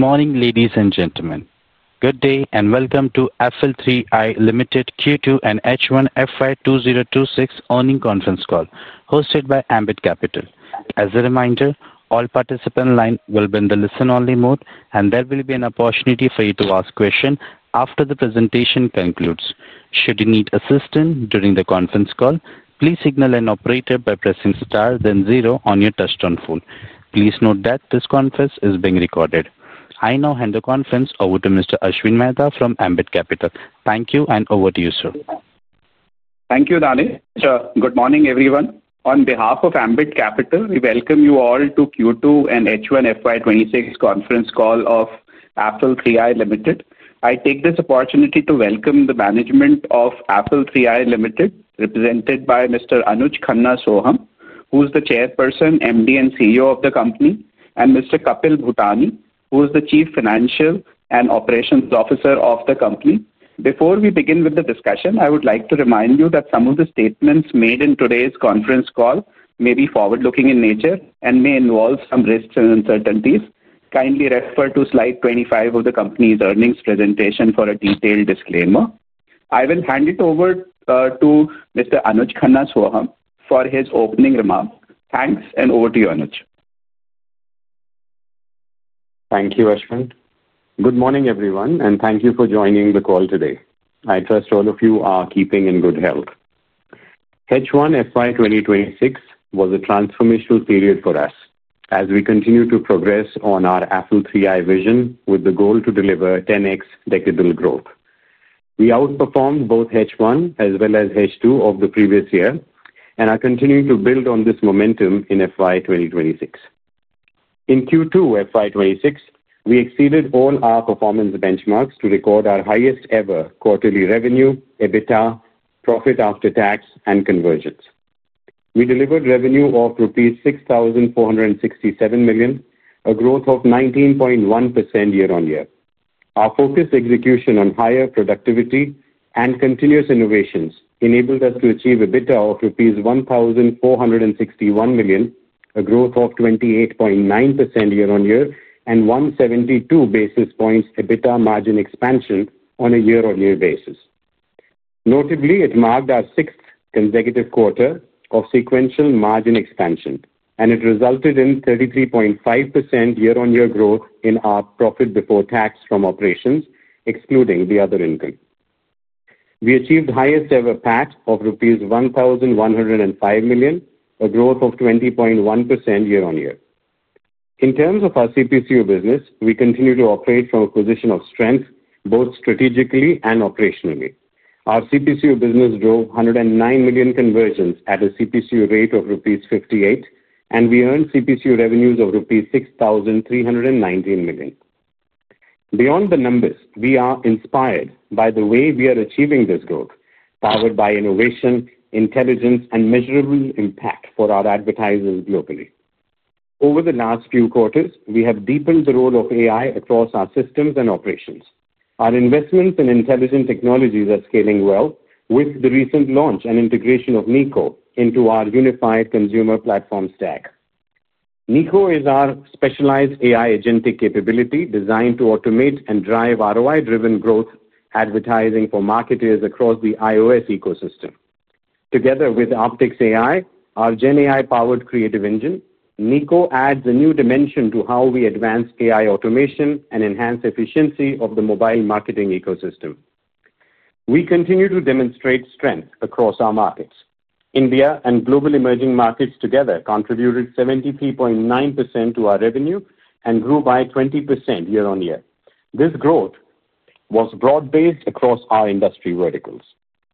Good morning, ladies and gentlemen. Good day and welcome to Affle 3i Limited, Q2 and H1 FY 2026 earnings conference call, hosted by Ambit Capital. As a reminder, all participants' lines will be in the listen-only mode, and there will be an opportunity for you to ask questions after the presentation concludes. Should you need assistance during the conference call, please signal an operator by pressing star, then zero on your touch-tone phone. Please note that this conference is being recorded. I now hand the conference over to Mr. Ashwin Mehta from Ambit Capital. Thank you, and over to you, sir. Thank you, Danish. Good morning, everyone. On behalf of Ambit Capital, we welcome you all to Q2 and H1 FY 2026 conference call of Affle 3i Limited. I take this opportunity to welcome the management of Affle 3i Limited, represented by Mr. Anuj Khanna Sohum, who is the Chairperson, MD, and CEO of the company, and Mr. Kapil Bhutani, who is the Chief Financial and Operations Officer of the company. Before we begin with the discussion, I would like to remind you that some of the statements made in today's conference call may be forward-looking in nature and may involve some risks and uncertainties. Kindly refer to slide 25 of the company's earnings presentation for a detailed disclaimer. I will hand it over to Mr. Anuj Khanna Sohum for his opening remarks. Thanks, and over to you, Anuj. Thank you, Ashwin. Good morning, everyone, and thank you for joining the call today. I trust all of you are keeping in good health. H1 FY 2026 was a transformational period for us as we continued to progress on our Affle 3i vision with the goal to deliver 10x decadal growth. We outperformed both H1 as well as H2 of the previous year and are continuing to build on this momentum in FY 2026. In Q2 FY 2026, we exceeded all our performance benchmarks to record our highest-ever quarterly revenue, EBITDA, profit after tax, and conversions. We delivered revenue of rupees 6,467 million, a growth of 19.1% year-on-year. Our focused execution on higher productivity and continuous innovations enabled us to achieve EBITDA of rupees 1,461 million, a growth of 28.9% year-on-year and 172 basis points EBITDA margin expansion on a year-on-year basis. Notably, it marked our sixth consecutive quarter of sequential margin expansion, and it resulted in 33.5% year-on-year growth in our profit before tax from operations, excluding the other income. We achieved the highest-ever PAT of rupees 1,105 million, a growth of 20.1% year-on-year. In terms of our CPCU business, we continue to operate from a position of strength both strategically and operationally. Our CPCU business drove 109 million conversions at a CPCU rate of rupees 58, and we earned CPCU revenues of rupees 6,319 million. Beyond the numbers, we are inspired by the way we are achieving this growth, powered by innovation, intelligence, and measurable impact for our advertisers globally. Over the last few quarters, we have deepened the role of AI across our systems and operations. Our investments in intelligent technologies are scaling well with the recent launch and integration of Niko into our unified Consumer Platform Stack. Niko is our specialized AI agentic capability designed to automate and drive ROI-driven growth advertising for marketers across the iOS ecosystem. Together with Opticks AI, our GenAI-powered creative engine, Niko adds a new dimension to how we advance AI automation and enhance efficiency of the mobile marketing ecosystem. We continue to demonstrate strength across our markets. India and global emerging markets together contributed 73.9% to our revenue and grew by 20% year-on-year. This growth was broad-based across our industry verticals,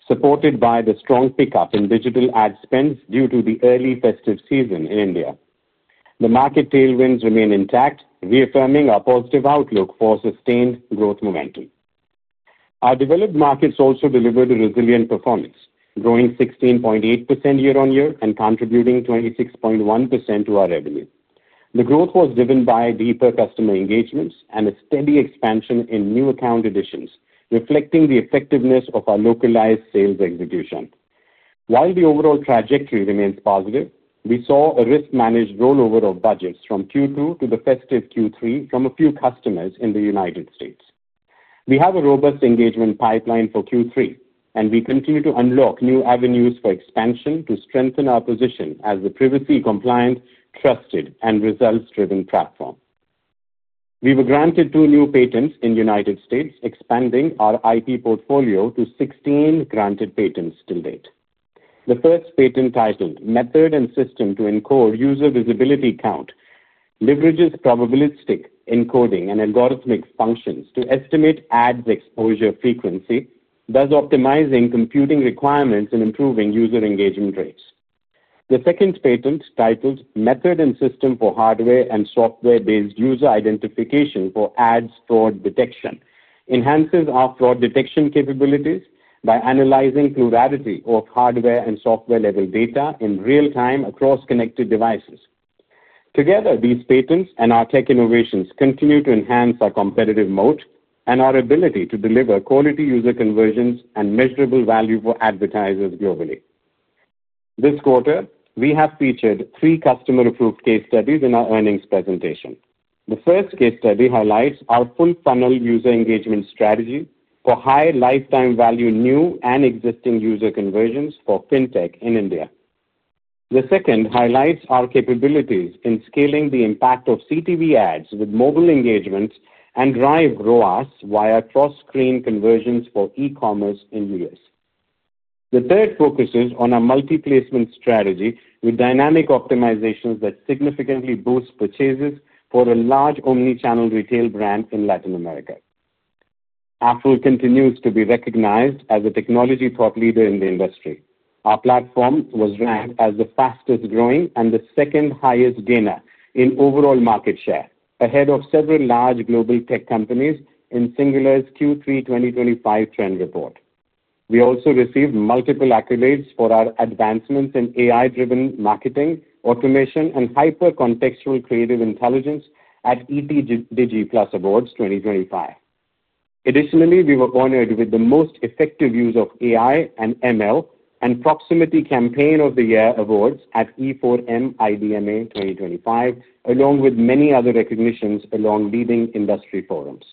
supported by the strong pickup in digital ad spends due to the early festive season in India. The market tailwinds remain intact, reaffirming our positive outlook for sustained growth momentum. Our developed markets also delivered a resilient performance, growing 16.8% year-on-year and contributing 26.1% to our revenue. The growth was driven by deeper customer engagements and a steady expansion in new account additions, reflecting the effectiveness of our localized sales execution. While the overall trajectory remains positive, we saw a risk-managed rollover of budgets from Q2 to the festive Q3 from a few customers in the United States. We have a robust engagement pipeline for Q3, and we continue to unlock new avenues for expansion to strengthen our position as the privacy-compliant, trusted, and results-driven platform. We were granted two new patents in the United States, expanding our IP portfolio to 16 granted patents to date. The first patent, titled "Method and System to Encode User Visibility Count," leverages probabilistic encoding and algorithmic functions to estimate ad exposure frequency, thus optimizing computing requirements and improving user engagement rates. The second patent, titled "Method and System for Hardware and Software-Based User Identification for Ad Fraud Detection," enhances our fraud detection capabilities by analyzing plurality of hardware and software-level data in real time across connected devices. Together, these patents and our tech innovations continue to enhance our competitive moat and our ability to deliver quality user conversions and measurable value for advertisers globally. This quarter, we have featured three customer-approved case studies in our earnings presentation. The first case study highlights our full-funnel user engagement strategy for high lifetime value new and existing user conversions for fintech in India. The second highlights our capabilities in scaling the impact of CTV ads with mobile engagements and drive ROAS via cross-screen conversions for e-commerce in the U.S. The third focuses on our multi-placement strategy with dynamic optimizations that significantly boost purchases for a large omnichannel retail brand in Latin America. Affle continues to be recognized as a technology thought leader in the industry. Our platform was ranked as the fastest growing and the second highest gainer in overall market share, ahead of several large global tech companies in Singular's Q3 2025 trend report. We also received multiple accolades for our advancements in AI-driven marketing, automation, and hyper-contextual creative intelligence at ET DigiPlus Awards 2025. Additionally, we were honored with the most effective use of AI and ML and Proximity Campaign of the Year Awards at e4m IDMA 2025, along with many other recognitions along leading industry forums.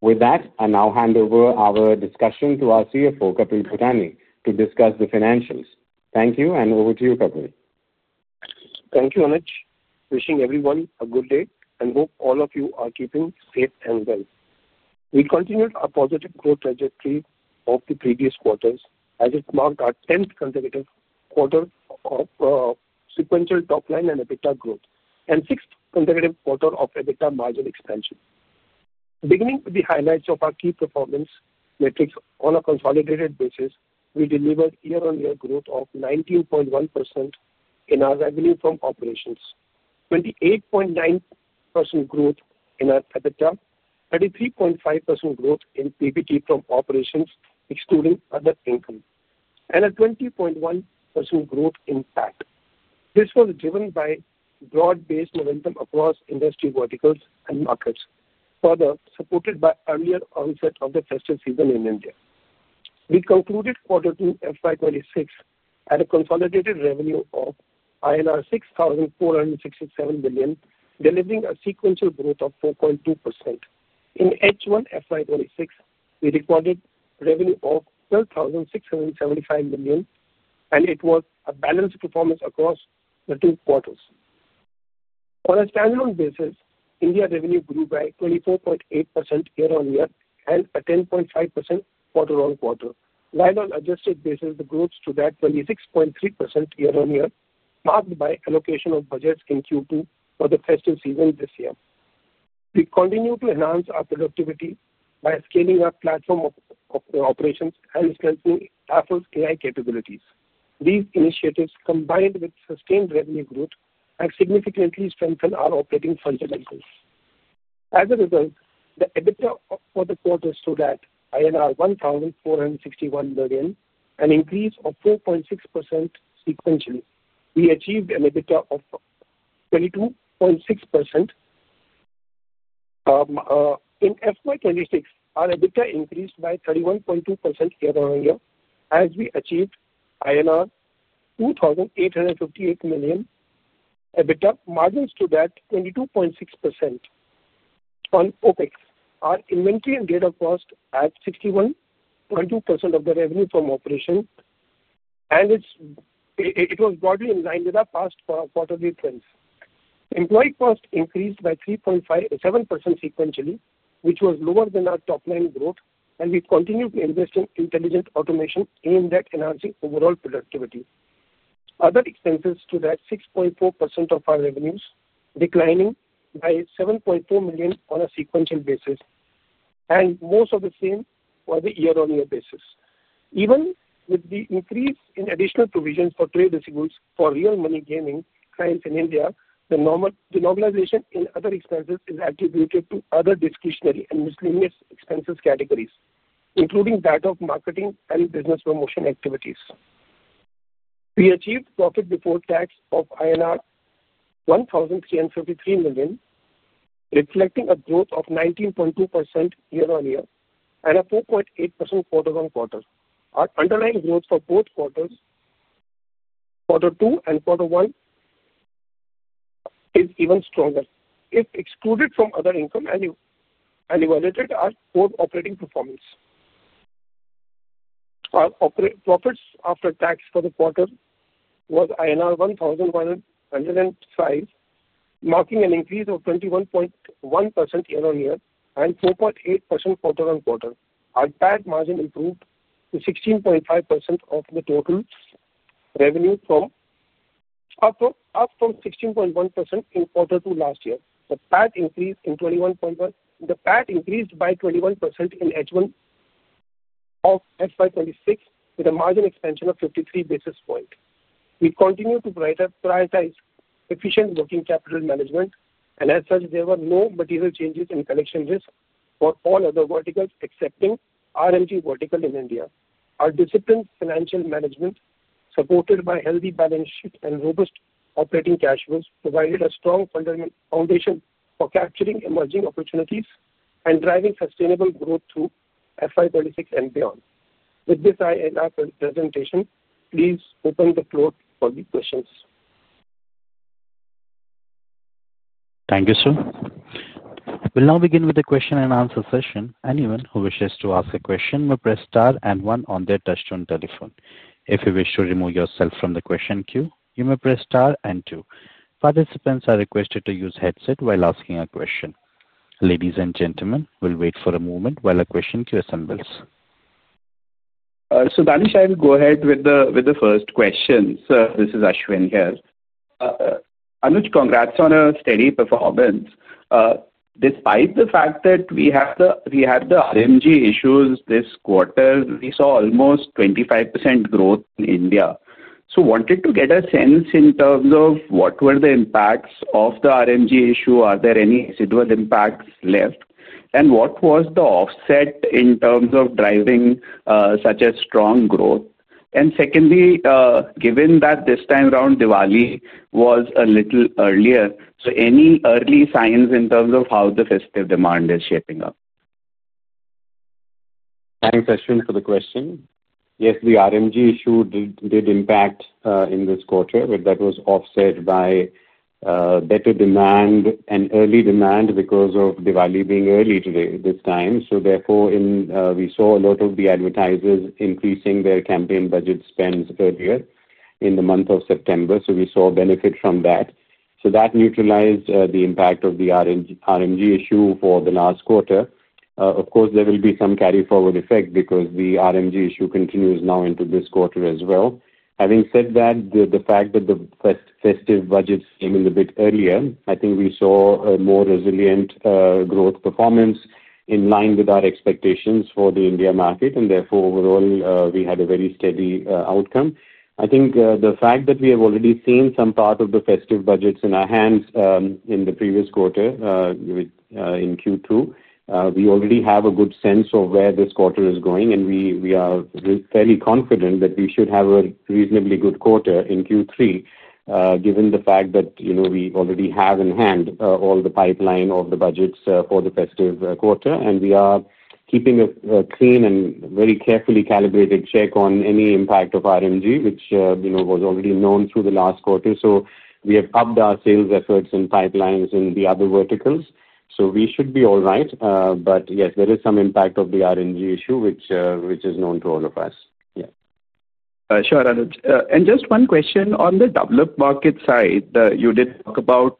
With that, I now hand over our discussion to our CFO, Kapil Bhutani, to discuss the financials. Thank you, and over to you, Kapil. Thank you, Anuj. Wishing everyone a good day and hope all of you are keeping safe and well. We continued our positive growth trajectory of the previous quarters as it marked our 10th consecutive quarter of sequential top-line and EBITDA growth and 6th consecutive quarter of EBITDA margin expansion. Beginning with the highlights of our key performance metrics on a consolidated basis, we delivered year-on-year growth of 19.1% in our revenue from operations, 28.9% growth in our EBITDA, 33.5% growth in PBT from operations, excluding other income, and a 20.1% growth in PAT. This was driven by broad-based momentum across industry verticals and markets, further supported by earlier onset of the festive season in India. We concluded quarter two FY 2026 at a consolidated revenue of INR 6,467 million, delivering a sequential growth of 4.2%. In H1 FY 2026, we recorded revenue of 12,675 million, and it was a balanced performance across the two quarters. On a standalone basis, India revenue grew by 24.8% year-on-year and 10.5% quarter-on-quarter, while on an adjusted basis, the growth stood at 26.3% year-on-year, marked by allocation of budgets in Q2 for the festive season this year. We continue to enhance our productivity by scaling our platform of operations and strengthening Affle 3i's AI capabilities. These initiatives, combined with sustained revenue growth, have significantly strengthened our operating fundamentals. As a result, the EBITDA for the quarter stood at INR 1,461 million and increased 4.6% sequentially. We achieved an EBITDA margin of 22.6%. In FY 2026, our EBITDA increased by 31.2% year-on-year as we achieved INR 2,858 million. EBITDA margins stood at 22.6%. On OpEx, our inventory and data cost was 61.2% of the revenue from operations. It was broadly in line with our past quarterly trends. Employee cost increased by 3.7% sequentially, which was lower than our top-line growth, and we continued to invest in intelligent automation aimed at enhancing overall productivity. Other expenses stood at 6.4% of our revenues, declining by 7.4 million on a sequential basis, and mostly the same for the year-on-year basis. Even with the increase in additional provisions for trade receivables for real money gaming clients in India, the normalization in other expenses is attributed to other discretionary and miscellaneous expenses categories, including that of marketing and business promotion activities. We achieved profit before tax of INR 1,353 million, reflecting a growth of 19.2% year-on-year and 4.8% quarter-on-quarter. Our underlying growth for both quarters, Q2 and Q1, is even stronger if excluded from other income and evaluated our core operating performance. Our profit after tax for the quarter was INR 1,105 million, marking an increase of 21.1% year-on-year and 4.8% quarter-on-quarter. Our PAT margin improved to 16.5% of the total revenue, up from 16.1% in quarter two last year. The PAT increased 21.1%. The PAT increased by 21% in H1 of FY 2026, with a margin expansion of 53 basis points. We continued to prioritize efficient working capital management, and as such, there were no material changes in collection risk for all other verticals, excepting RMG vertical in India. Our disciplined financial management, supported by healthy balance sheets and robust operating cash flows, provided a strong foundation for capturing emerging opportunities and driving sustainable growth through FY 2026 and beyond. With this INR presentation, please open the floor for the questions. Thank you, sir. We'll now begin with the question and answer session. Anyone who wishes to ask a question may press star and one on their touchstone telephone. If you wish to remove yourself from the question queue, you may press star and two. Participants are requested to use headsets while asking a question. Ladies and gentlemen, we'll wait for a moment while the question queue assembles. Danish, I will go ahead with the first question. This is Ashwin here. Anuj, congrats on a steady performance. Despite the fact that we had the RMG issues this quarter, we saw almost 25% growth in India. I wanted to get a sense in terms of what were the impacts of the RMG issue. Are there any residual impacts left? What was the offset in terms of driving such a strong growth? Secondly, given that this time around Diwali was a little earlier, any early signs in terms of how the festive demand is shaping up? Thanks, Ashwin, for the question. Yes, the RMG issue did impact in this quarter, but that was offset by better demand and early demand because of Diwali being early this time. Therefore, we saw a lot of the advertisers increasing their campaign budget spends earlier in the month of September. We saw benefit from that. That neutralized the impact of the RMG issue for the last quarter. Of course, there will be some carry-forward effect because the RMG issue continues now into this quarter as well. Having said that, the fact that the festive budgets came in a bit earlier, I think we saw a more resilient growth performance in line with our expectations for the India market, and therefore, overall, we had a very steady outcome. I think the fact that we have already seen some part of the festive budgets in our hands in the previous quarter. In Q2, we already have a good sense of where this quarter is going, and we are fairly confident that we should have a reasonably good quarter in Q3, given the fact that we already have in hand all the pipeline of the budgets for the festive quarter, and we are keeping a clean and very carefully calibrated check on any impact of RMG, which was already known through the last quarter. We have upped our sales efforts and pipelines in the other verticals. We should be all right. Yes, there is some impact of the RMG issue, which is known to all of us. Yes. Sure, Anuj. Just one question on the developed market side. You did talk about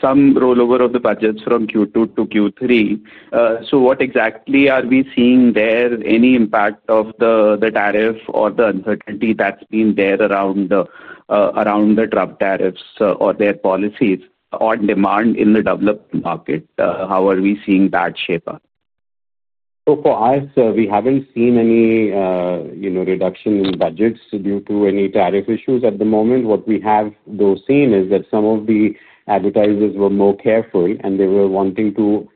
some rollover of the budgets from Q2 to Q3. What exactly are we seeing there? Any impact of the tariff or the uncertainty that's been there around the Trump tariffs or their policies on demand in the developed market? How are we seeing that shape up? So far, we haven't seen any reduction in budgets due to any tariff issues at the moment. What we have, though, seen is that some of the advertisers were more careful, and they were wanting to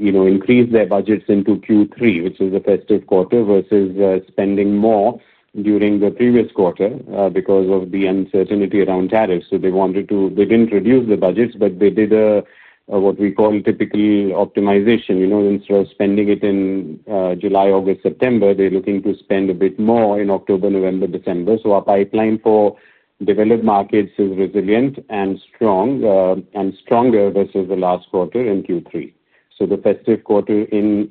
increase their budgets into Q3, which is the festive quarter, versus spending more during the previous quarter because of the uncertainty around tariffs. They didn't reduce the budgets, but they did what we call typical optimization. Instead of spending it in July, August, September, they're looking to spend a bit more in October, November, December. Our pipeline for developed markets is resilient and stronger versus the last quarter in Q3. The festive quarter in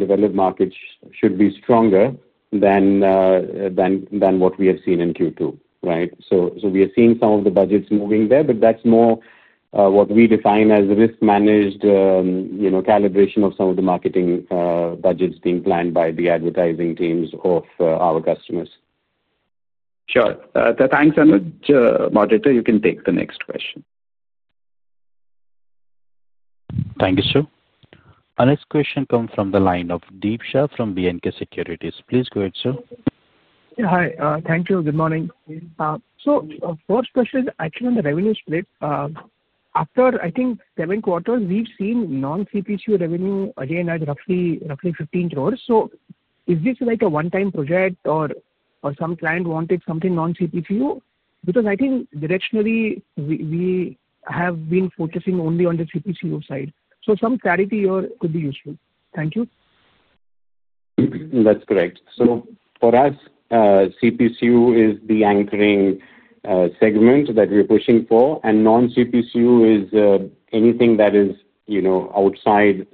developed markets should be stronger than what we have seen in Q2, right? We are seeing some of the budgets moving there, but that's more what we define as risk-managed calibration of some of the marketing budgets being planned by the advertising teams of our customers. Sure. Thanks, Anuj. Moderator, you can take the next question. Thank you, sir. Our next question comes from the line of Deep Shah from B&K Securities. Please go ahead, sir. Yeah, hi. Thank you. Good morning. First question, actually, on the revenue split. After, I think, seven quarters, we've seen non-CPCU revenue again at roughly 15 crore. Is this like a one-time project or some client wanted something non-CPCU? I think, directionally, we have been focusing only on the CPCU side. Some clarity here could be useful. Thank you. That's correct. For us, CPCU is the anchoring segment that we're pushing for, and non-CPCU is anything that is outside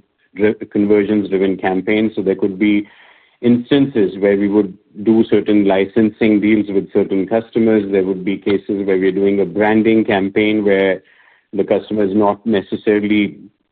conversions-driven campaigns. There could be instances where we would do certain licensing deals with certain customers. There would be cases where we're doing a branding campaign where the customer is not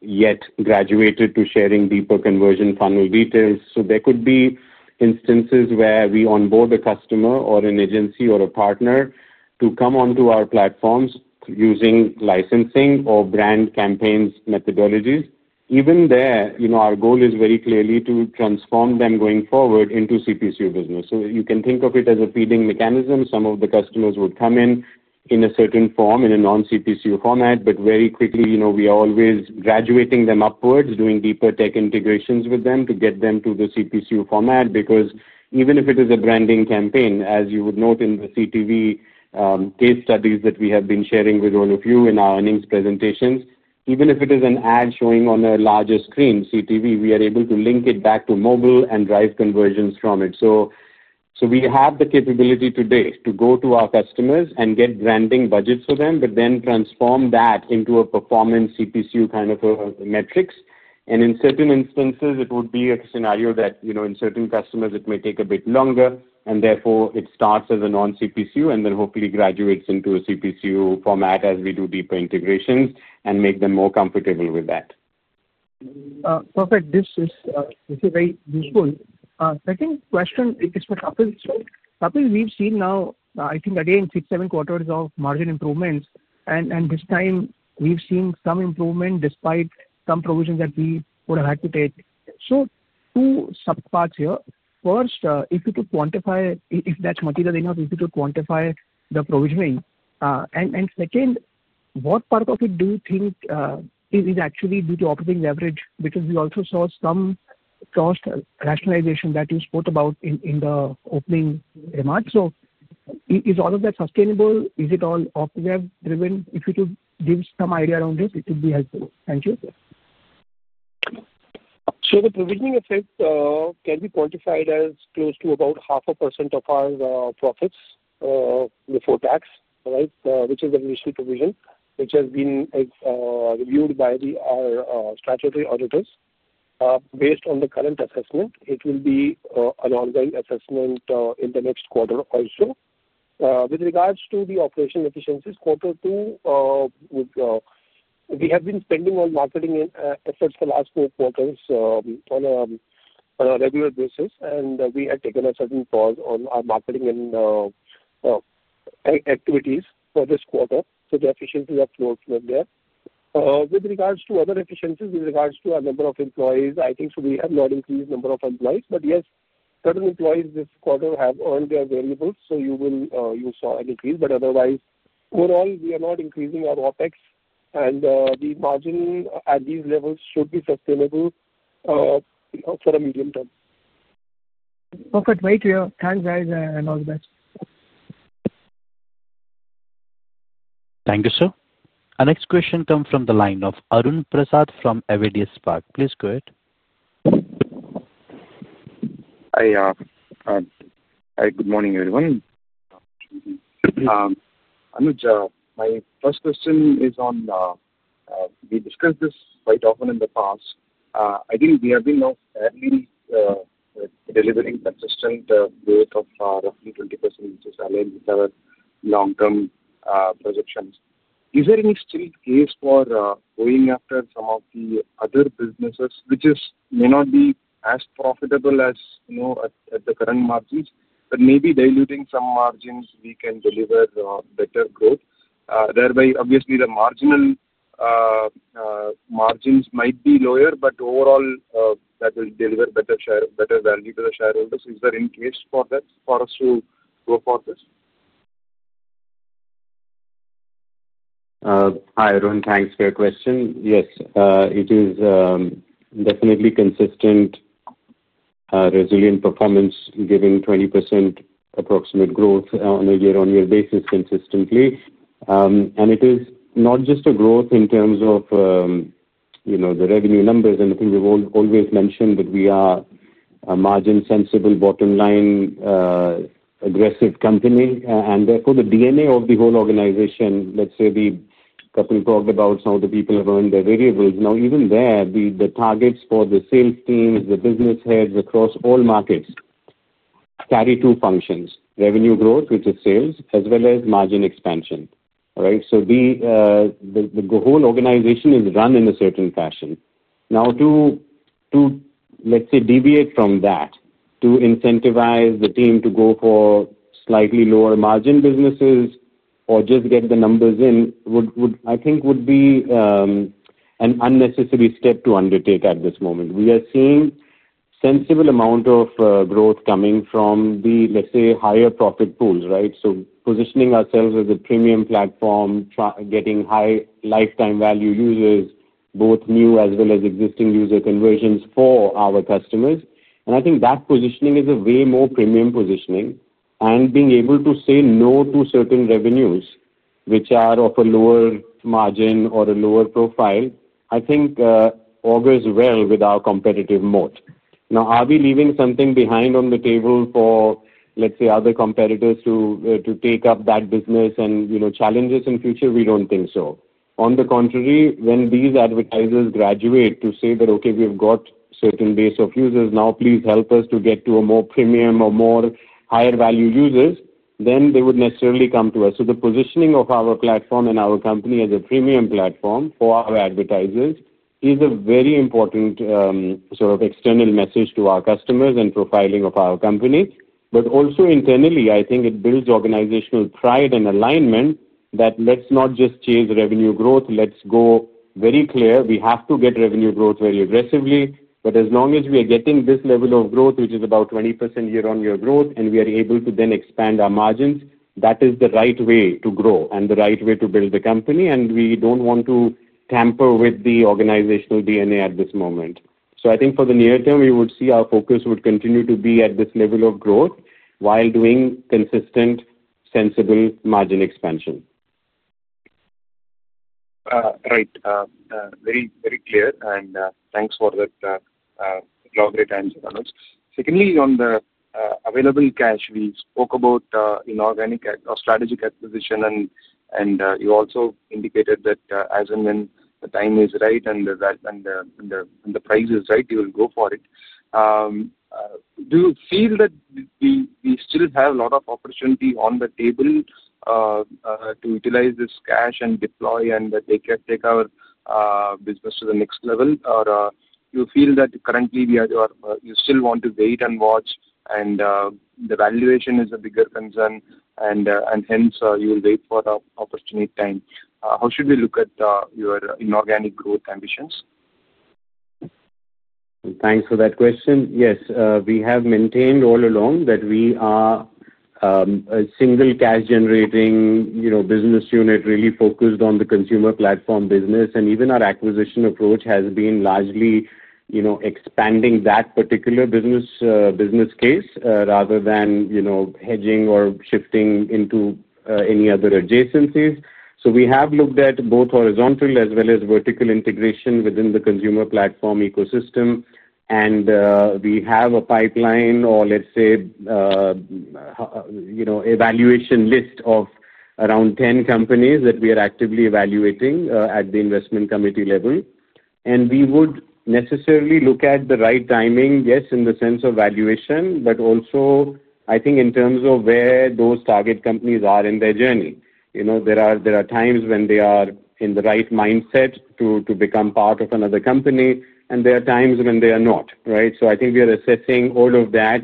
necessarily yet graduated to sharing deeper conversion funnel details. There could be instances where we onboard a customer or an agency or a partner to come onto our platforms using licensing or brand campaigns methodologies. Even there, our goal is very clearly to transform them going forward into CPCU business. You can think of it as a feeding mechanism. Some of the customers would come in in a certain form, in a non-CPCU format, but very quickly, we are always graduating them upwards, doing deeper tech integrations with them to get them to the CPCU format. Because even if it is a branding campaign, as you would note in the CTV case studies that we have been sharing with all of you in our earnings presentations, even if it is an ad showing on a larger screen, CTV, we are able to link it back to mobile and drive conversions from it. We have the capability today to go to our customers and get branding budgets for them, but then transform that into a performance CPCU kind of metrics. In certain instances, it would be a scenario that in certain customers, it may take a bit longer, and therefore, it starts as a non-CPCU and then hopefully graduates into a CPCU format as we do deeper integrations and make them more comfortable with that. Perfect. This is very useful. Second question is for Kapil. Kapil, we've seen now, I think, again, six, seven quarters of margin improvements, and this time, we've seen some improvement despite some provisions that we would have had to take. Two subparts here. First, if you could quantify, if that's material enough, if you could quantify the provisioning. Second, what part of it do you think is actually due to operating leverage? Because we also saw some cost rationalization that you spoke about in the opening remarks. Is all of that sustainable? Is it all driven? If you could give some idea around it, it would be helpful. Thank you. The provisioning effect can be quantified as close to about 0.5% of our profits before tax, right, which is the initial provision, which has been reviewed by our statutory auditors. Based on the current assessment, it will be an ongoing assessment in the next quarter also. With regards to the operation efficiencies, quarter two. We have been spending on marketing efforts for the last four quarters on a regular basis, and we had taken a certain pause on our marketing activities for this quarter. The efficiencies are close to there. With regards to other efficiencies, with regards to our number of employees, I think we have not increased the number of employees. Yes, certain employees this quarter have earned their variables, so you saw an increase. Otherwise, overall, we are not increasing our OpEx, and the margin at these levels should be sustainable for the medium term. Perfect. Great to hear. Thanks, guys, and all the best. Thank you, sir. Our next question comes from the line of Arun Prasad from Avedia Spark. Please go ahead. Hi. Good morning, everyone. Anuj, my first question is on. We discussed this quite often in the past. I think we have been now fairly. Delivering consistent growth of roughly 20%, which is aligned with our long-term projections. Is there any still case for going after some of the other businesses, which may not be as profitable as. At the current margins, but maybe diluting some margins, we can deliver better growth? Thereby, obviously, the marginal. Margins might be lower, but overall, that will deliver better value to the shareholders. Is there any case for us to go for this? Hi, Arun. Thanks for your question. Yes, it is. Definitely consistent. Resilient performance, giving 20% approximate growth on a year-on-year basis consistently. It is not just a growth in terms of. The revenue numbers. I think we've always mentioned that we are a margin-sensible, bottom-line. Aggressive company. Therefore, the D&A of the whole organization, let's say the Kapil talked about some of the people have earned their variables. Now, even there, the targets for the sales teams, the business heads across all markets. Carry two functions: revenue growth, which is sales, as well as margin expansion, right? The whole organization is run in a certain fashion. Now, to. Let's say, deviate from that, to incentivize the team to go for slightly lower margin businesses or just get the numbers in, I think would be. An unnecessary step to undertake at this moment. We are seeing a sensible amount of growth coming from the, let's say, higher profit pools, right? Positioning ourselves as a premium platform, getting high lifetime value users, both new as well as existing user conversions for our customers. I think that positioning is a way more premium positioning. Being able to say no to certain revenues, which are of a lower margin or a lower profile, I think. Augurs well with our competitive moat. Now, are we leaving something behind on the table for, let's say, other competitors to take up that business and challenges in the future? We don't think so. On the contrary, when these advertisers graduate to say that, "Okay, we've got a certain base of users. Now, please help us to get to a more premium or more higher value users," then they would necessarily come to us. The positioning of our platform and our company as a premium platform for our advertisers is a very important. Sort of external message to our customers and profiling of our company. Also internally, I think it builds organizational pride and alignment that, "Let's not just chase revenue growth. Let's go very clear. We have to get revenue growth very aggressively." As long as we are getting this level of growth, which is about 20% year-on-year growth, and we are able to then expand our margins, that is the right way to grow and the right way to build the company. We do not want to tamper with the organizational D&A at this moment. I think for the near term, we would see our focus would continue to be at this level of growth while doing consistent, sensible margin expansion. Right. Very clear. Thanks for that. Alright, Anuj. Secondly, on the available cash, we spoke about inorganic or strategic acquisition, and you also indicated that as and when the time is right and the price is right, you will go for it. Do you feel that we still have a lot of opportunity on the table to utilize this cash and deploy and take our business to the next level? Or do you feel that currently you still want to wait and watch, and the valuation is a bigger concern, and hence you will wait for an opportune time? How should we look at your inorganic growth ambitions? Thanks for that question. Yes, we have maintained all along that we are a single cash-generating business unit, really focused on the consumer platform business. Even our acquisition approach has been largely expanding that particular business case rather than hedging or shifting into any other adjacencies. We have looked at both horizontal as well as vertical integration within the consumer platform ecosystem. We have a pipeline or, let's say, a valuation list of around 10 companies that we are actively evaluating at the investment committee level. We would necessarily look at the right timing, yes, in the sense of valuation, but also, I think, in terms of where those target companies are in their journey. There are times when they are in the right mindset to become part of another company, and there are times when they are not, right? I think we are assessing all of that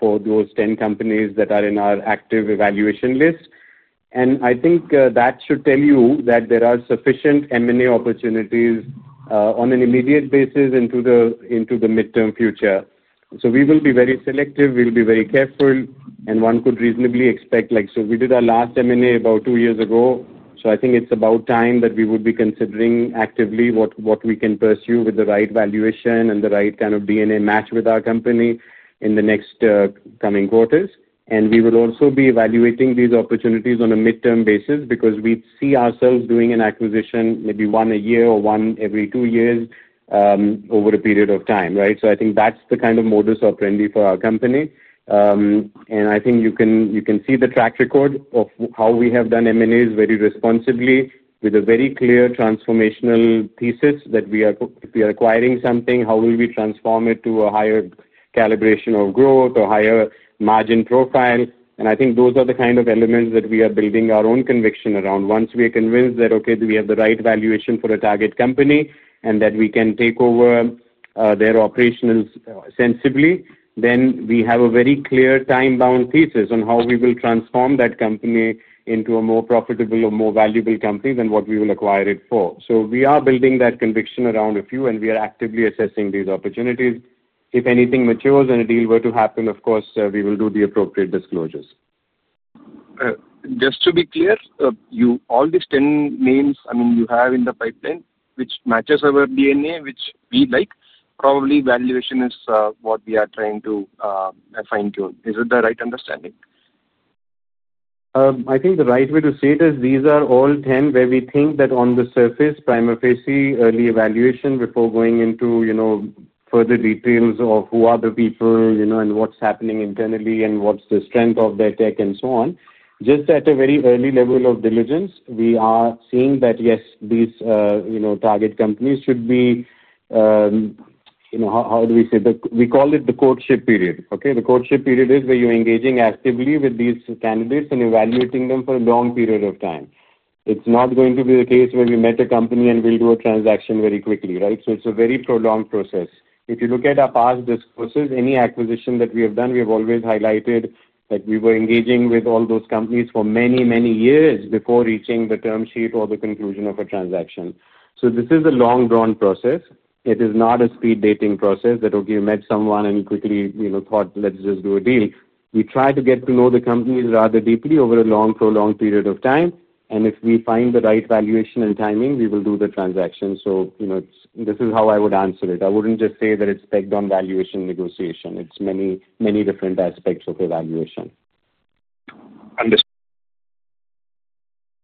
for those 10 companies that are in our active evaluation list. I think that should tell you that there are sufficient M&A opportunities on an immediate basis into the midterm future. We will be very selective. We will be very careful. One could reasonably expect, like we did our last M&A about two years ago. I think it's about time that we would be considering actively what we can pursue with the right valuation and the right kind of D&A match with our company in the next coming quarters. We will also be evaluating these opportunities on a midterm basis because we see ourselves doing an acquisition, maybe one a year or one every two years over a period of time, right? I think that's the kind of modus operandi for our company. I think you can see the track record of how we have done M&As very responsibly, with a very clear transformational thesis that if we are acquiring something, how will we transform it to a higher calibration of growth or higher margin profile? I think those are the kind of elements that we are building our own conviction around. Once we are convinced that, okay, we have the right valuation for a target company and that we can take over their operations sensibly, then we have a very clear time-bound thesis on how we will transform that company into a more profitable or more valuable company than what we will acquire it for. We are building that conviction around a few, and we are actively assessing these opportunities. If anything matures and a deal were to happen, of course, we will do the appropriate disclosures. Just to be clear, all these 10 names, I mean, you have in the pipeline, which matches our D&A, which we like, probably valuation is what we are trying to fine-tune. Is it the right understanding? I think the right way to say it is these are all 10 where we think that on the surface, prima facie, early evaluation before going into further details of who are the people and what's happening internally and what's the strength of their tech and so on. Just at a very early level of diligence, we are seeing that, yes, these target companies should be—how do we say? We call it the courtship period, okay? The courtship period is where you're engaging actively with these candidates and evaluating them for a long period of time. It's not going to be the case where we met a company and we'll do a transaction very quickly, right? It is a very prolonged process. If you look at our past discourses, any acquisition that we have done, we have always highlighted that we were engaging with all those companies for many, many years before reaching the term sheet or the conclusion of a transaction. This is a long-drawn process. It is not a speed-dating process that, okay, you met someone and quickly thought, "Let's just do a deal." We try to get to know the companies rather deeply over a long, prolonged period of time. If we find the right valuation and timing, we will do the transaction. This is how I would answer it. I wouldn't just say that it's pegged on valuation negotiation. It's many, many different aspects of evaluation. Understood.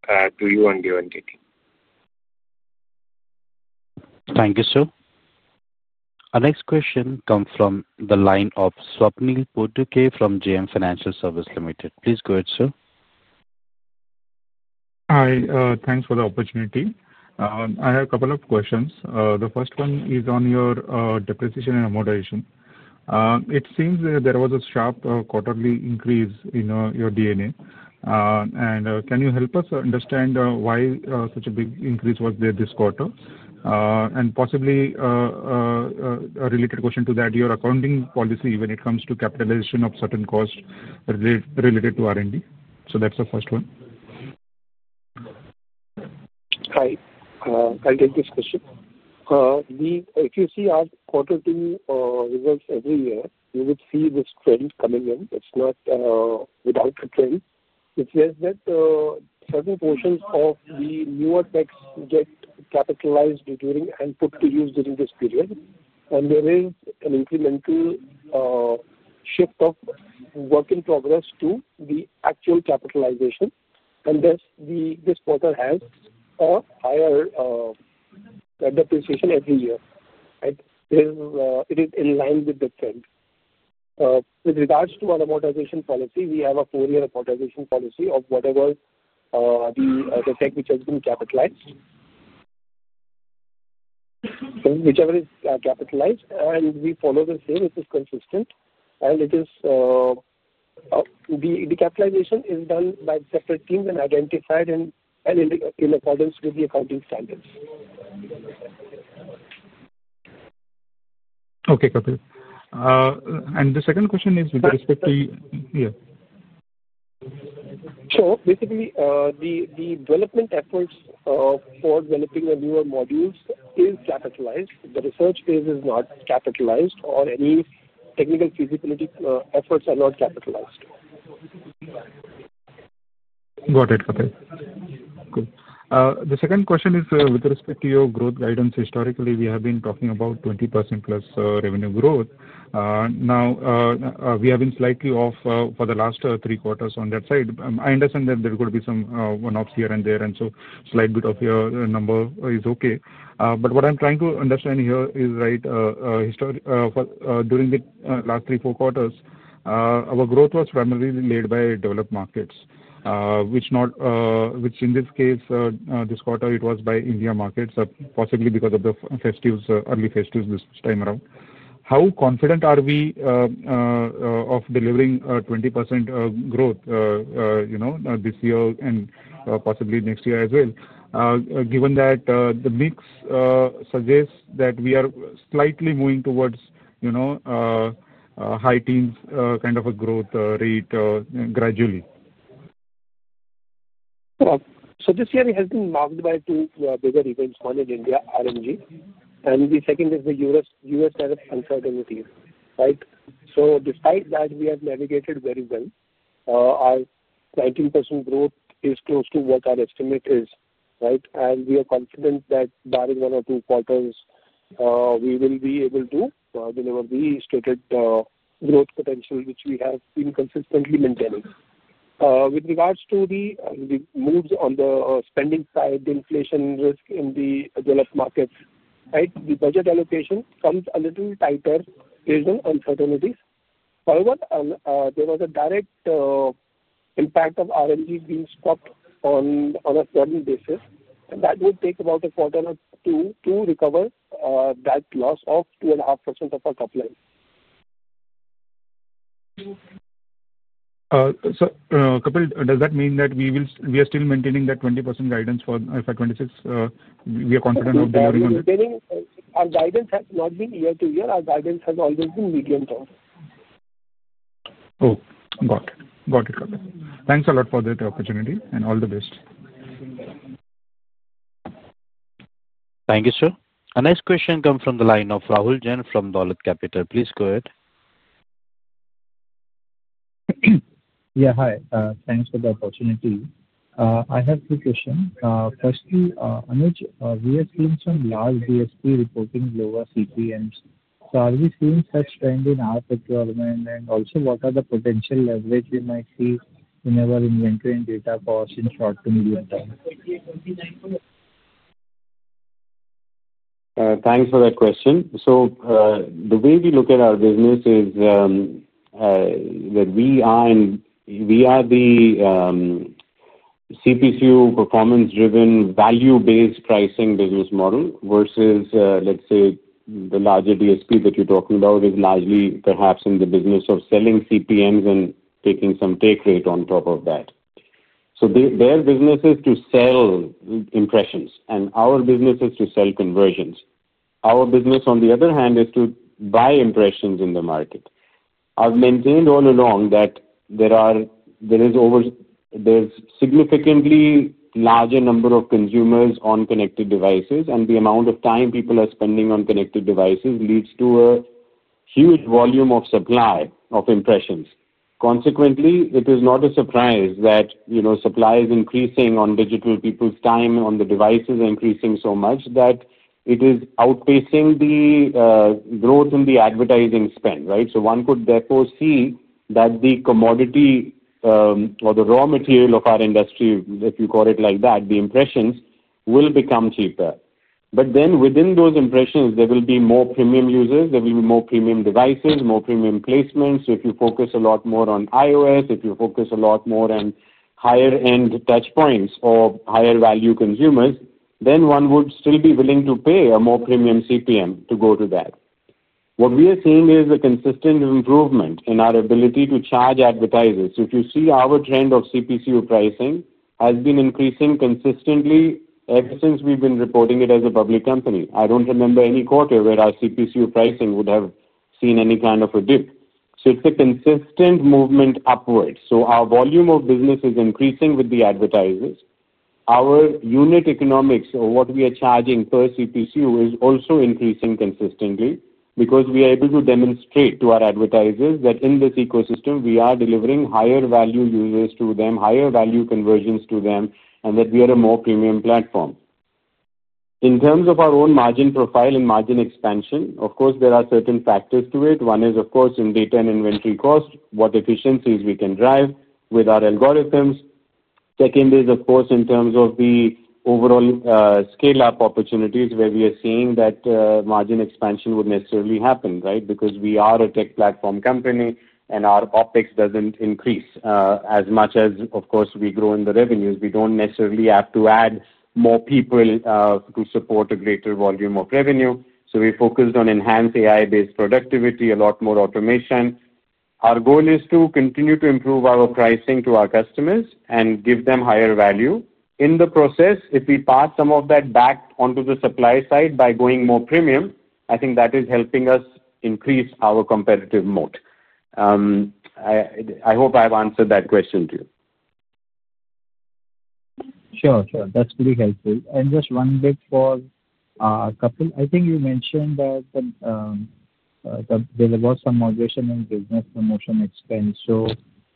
Back to you and your team. Thank you, sir. Our next question comes from the line of Swapnil Potdukhe from JM Financial Services Limited. Please go ahead, sir. Hi. Thanks for the opportunity. I have a couple of questions. The first one is on your depreciation and amortization. It seems that there was a sharp quarterly increase in your D&A. Can you help us understand why such a big increase was there this quarter? Possibly a related question to that, your accounting policy when it comes to capitalization of certain costs related to R&D. That's the first one. Hi. I'll take this question. If you see our quarter two results every year, you would see this trend coming in. It's not without a trend. It says that certain portions of the newer techs get capitalized and put to use during this period. There is an incremental shift of work in progress to the actual capitalization. Thus, this quarter has a higher depreciation every year, right? It is in line with the trend. With regards to our amortization policy, we have a four-year amortization policy of whatever the tech which has been capitalized, whichever is capitalized, and we follow the same. It is consistent. The capitalization is done by separate teams and identified in accordance with the accounting standards. Okay, Kapil. The second question is with respect to. Yeah. Sure. Basically, the development efforts for developing the newer modules is capitalized. The research phase is not capitalized, or any technical feasibility efforts are not capitalized. Got it, Kapil. Cool. The second question is with respect to your growth guidance. Historically, we have been talking about 20%+ revenue growth. Now, we have been slightly off for the last three quarters on that side. I understand that there could be some one-offs here and there, and so a slight bit of your number is okay. But what I'm trying to understand here is, right, during the last three, four quarters, our growth was primarily led by developed markets, which, in this case, this quarter, it was by India markets, possibly because of the early festivals this time around. How confident are we of delivering 20% growth this year and possibly next year as well, given that the mix suggests that we are slightly moving towards high teens kind of a growth rate gradually? This year, it has been marked by two bigger events, one in India, RMG, and the second is the U.S. tariff uncertainty, right? Despite that, we have navigated very well. Our 19% growth is close to what our estimate is, right? We are confident that by one or two quarters, we will be able to deliver the stated growth potential, which we have been consistently maintaining. With regards to the moves on the spending side, the inflation risk in the developed markets, right, the budget allocation comes a little tighter based on uncertainties. However, there was a direct impact of RMG being stopped on a certain basis. That would take about a quarter or two to recover that loss of 2.5% of our top line. Kapil, does that mean that we are still maintaining that 20% guidance for FY 2026? We are confident of delivering on that? Our guidance has not been year to year. Our guidance has always been medium term. Oh, got it. Got it, Kapil. Thanks a lot for that opportunity and all the best. Thank you, sir. A nice question comes from the line of Rahul Jain from Dolat Capital. Please go ahead. Yeah, hi. Thanks for the opportunity. I have two questions. Firstly, Anuj, we are seeing some large GSP reporting lower CPMs. Are we seeing such trend in our procurement? Also, what are the potential leverage we might see in our inventory and data costs in short to medium term? Thanks for that question. The way we look at our business is that we are the CPCU performance-driven, value-based pricing business model versus, let's say, the larger GSP that you're talking about is largely perhaps in the business of selling CPMs and taking some take rate on top of that. Their business is to sell impressions, and our business is to sell conversions. Our business, on the other hand, is to buy impressions in the market. I've maintained all along that there is a significantly larger number of consumers on connected devices, and the amount of time people are spending on connected devices leads to a huge volume of supply of impressions. Consequently, it is not a surprise that supply is increasing on digital, people's time on the devices increasing so much that it is outpacing the growth in the advertising spend, right? One could therefore see that the commodity or the raw material of our industry, if you call it like that, the impressions will become cheaper. Within those impressions, there will be more premium users. There will be more premium devices, more premium placements. If you focus a lot more on iOS, if you focus a lot more on higher-end touchpoints or higher-value consumers, then one would still be willing to pay a more premium CPM to go to that. What we are seeing is a consistent improvement in our ability to charge advertisers. If you see our trend of CPCU pricing, it has been increasing consistently ever since we've been reporting it as a public company. I don't remember any quarter where our CPCU pricing would have seen any kind of a dip. It's a consistent movement upward. Our volume of business is increasing with the advertisers. Our unit economics or what we are charging per CPCU is also increasing consistently because we are able to demonstrate to our advertisers that in this ecosystem, we are delivering higher-value users to them, higher-value conversions to them, and that we are a more premium platform. In terms of our own margin profile and margin expansion, of course, there are certain factors to it. One is, of course, in data and inventory cost, what efficiencies we can drive with our algorithms. Second is, of course, in terms of the overall scale-up opportunities where we are seeing that margin expansion would necessarily happen, right? We are a tech platform company and our OpEx doesn't increase as much as, of course, we grow in the revenues. We don't necessarily have to add more people to support a greater volume of revenue. We focused on enhanced AI-based productivity, a lot more automation. Our goal is to continue to improve our pricing to our customers and give them higher value. In the process, if we pass some of that back onto the supply side by going more premium, I think that is helping us increase our competitive moat. I hope I've answered that question for you. Sure, sure. That's pretty helpful. Just one bit for Kapil. I think you mentioned that there was some moderation in business promotion expense.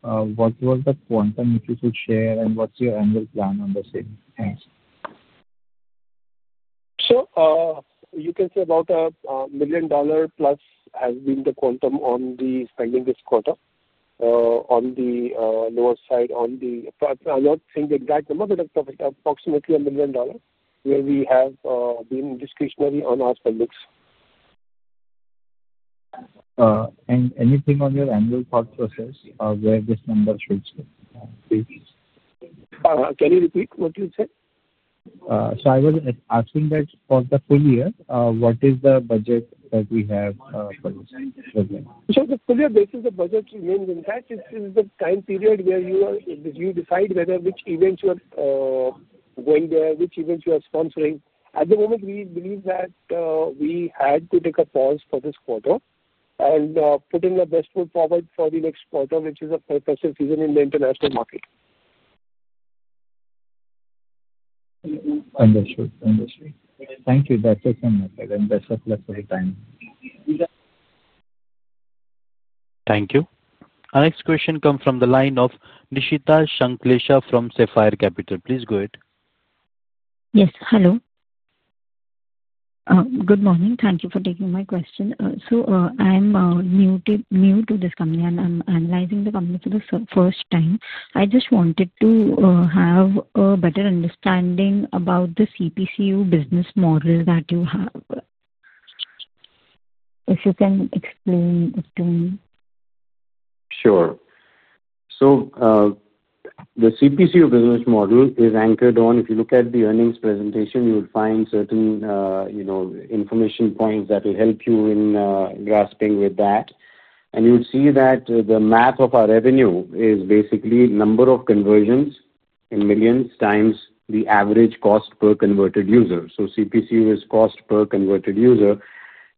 What was the quantum, if you could share, and what's your annual plan on the same? Thanks. You can say about $1 million+ has been the quantum on the spending this quarter. On the lower side, I'm not saying the exact number, but approximately $1 million where we have been discretionary on our spendings. Anything on your annual cost process where this number should be? Can you repeat what you said? I was asking that for the full year, what is the budget that we have for this? The full year, basically, the budget remains intact. This is the time period where you decide whether which events you are going there, which events you are sponsoring. At the moment, we believe that we had to take a pause for this quarter and put in the best foot forward for the next quarter, which is a fantastic season in the international market. Understood. Understood. Thank you. That is it from my side. Best of luck for the time. Thank you. Our next question comes from the line of Nishita Shanklesha from Sapphire Capital. Please go ahead. Yes. Hello. Good morning. Thank you for taking my question. I'm new to this company, and I'm analyzing the company for the first time. I just wanted to have a better understanding about the CPCU business model that you have. If you can explain it to me. Sure. The CPCU business model is anchored on, if you look at the earnings presentation, you will find certain information points that will help you in grasping with that. You would see that the math of our revenue is basically number of conversions in millions times the average cost per converted user. CPCU is cost per converted user.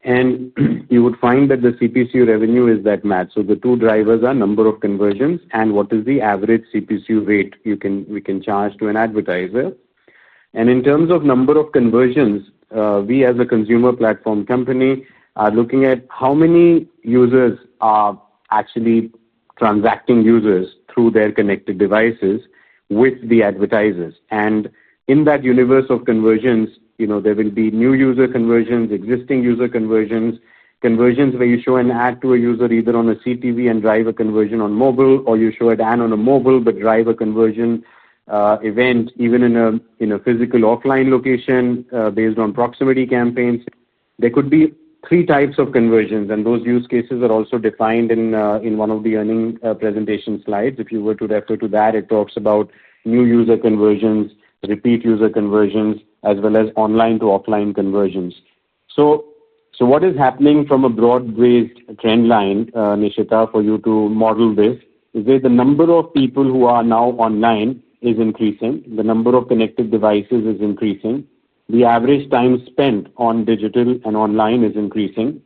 You would find that the CPCU revenue is that math. The two drivers are number of conversions and what is the average CPCU rate we can charge to an advertiser. In terms of number of conversions, we as a consumer platform company are looking at how many users are actually transacting users through their connected devices with the advertisers. In that universe of conversions, there will be new user conversions, existing user conversions, conversions where you show an ad to a user either on a CTV and drive a conversion on mobile, or you show an ad on a mobile but drive a conversion event, even in a physical offline location based on proximity campaigns. There could be three types of conversions, and those use cases are also defined in one of the earning presentation slides. If you were to refer to that, it talks about new user conversions, repeat user conversions, as well as online to offline conversions. What is happening from a broad-based trend line, Nishita, for you to model this is that the number of people who are now online is increasing. The number of connected devices is increasing. The average time spent on digital and online is increasing.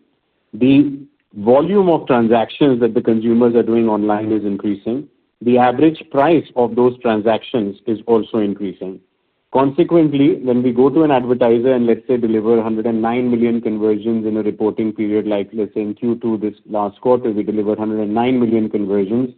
The volume of transactions that the consumers are doing online is increasing. The average price of those transactions is also increasing. Consequently, when we go to an advertiser and, let's say, deliver 109 million conversions in a reporting period, like, let's say, in Q2 this last quarter, we delivered 109 million conversions,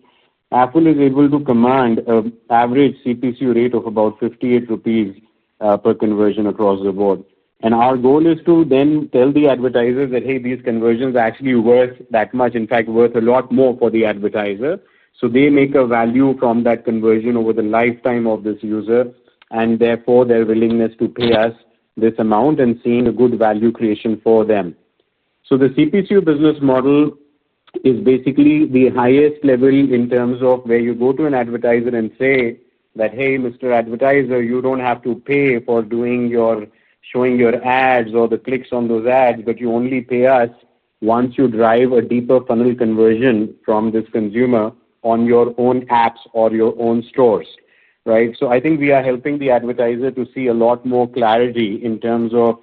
Affle is able to command an average CPCU rate of about 58 rupees per conversion across the board. Our goal is to then tell the advertisers that, "Hey, these conversions are actually worth that much, in fact, worth a lot more for the advertiser." They make a value from that conversion over the lifetime of this user, and therefore their willingness to pay us this amount and seeing a good value creation for them. The CPCU business model is basically the highest level in terms of where you go to an advertiser and say that, "Hey, Mr. Advertiser, you don't have to pay for showing your ads or the clicks on those ads, but you only pay us once you drive a deeper funnel conversion from this consumer on your own apps or your own stores," right? I think we are helping the advertiser to see a lot more clarity in terms of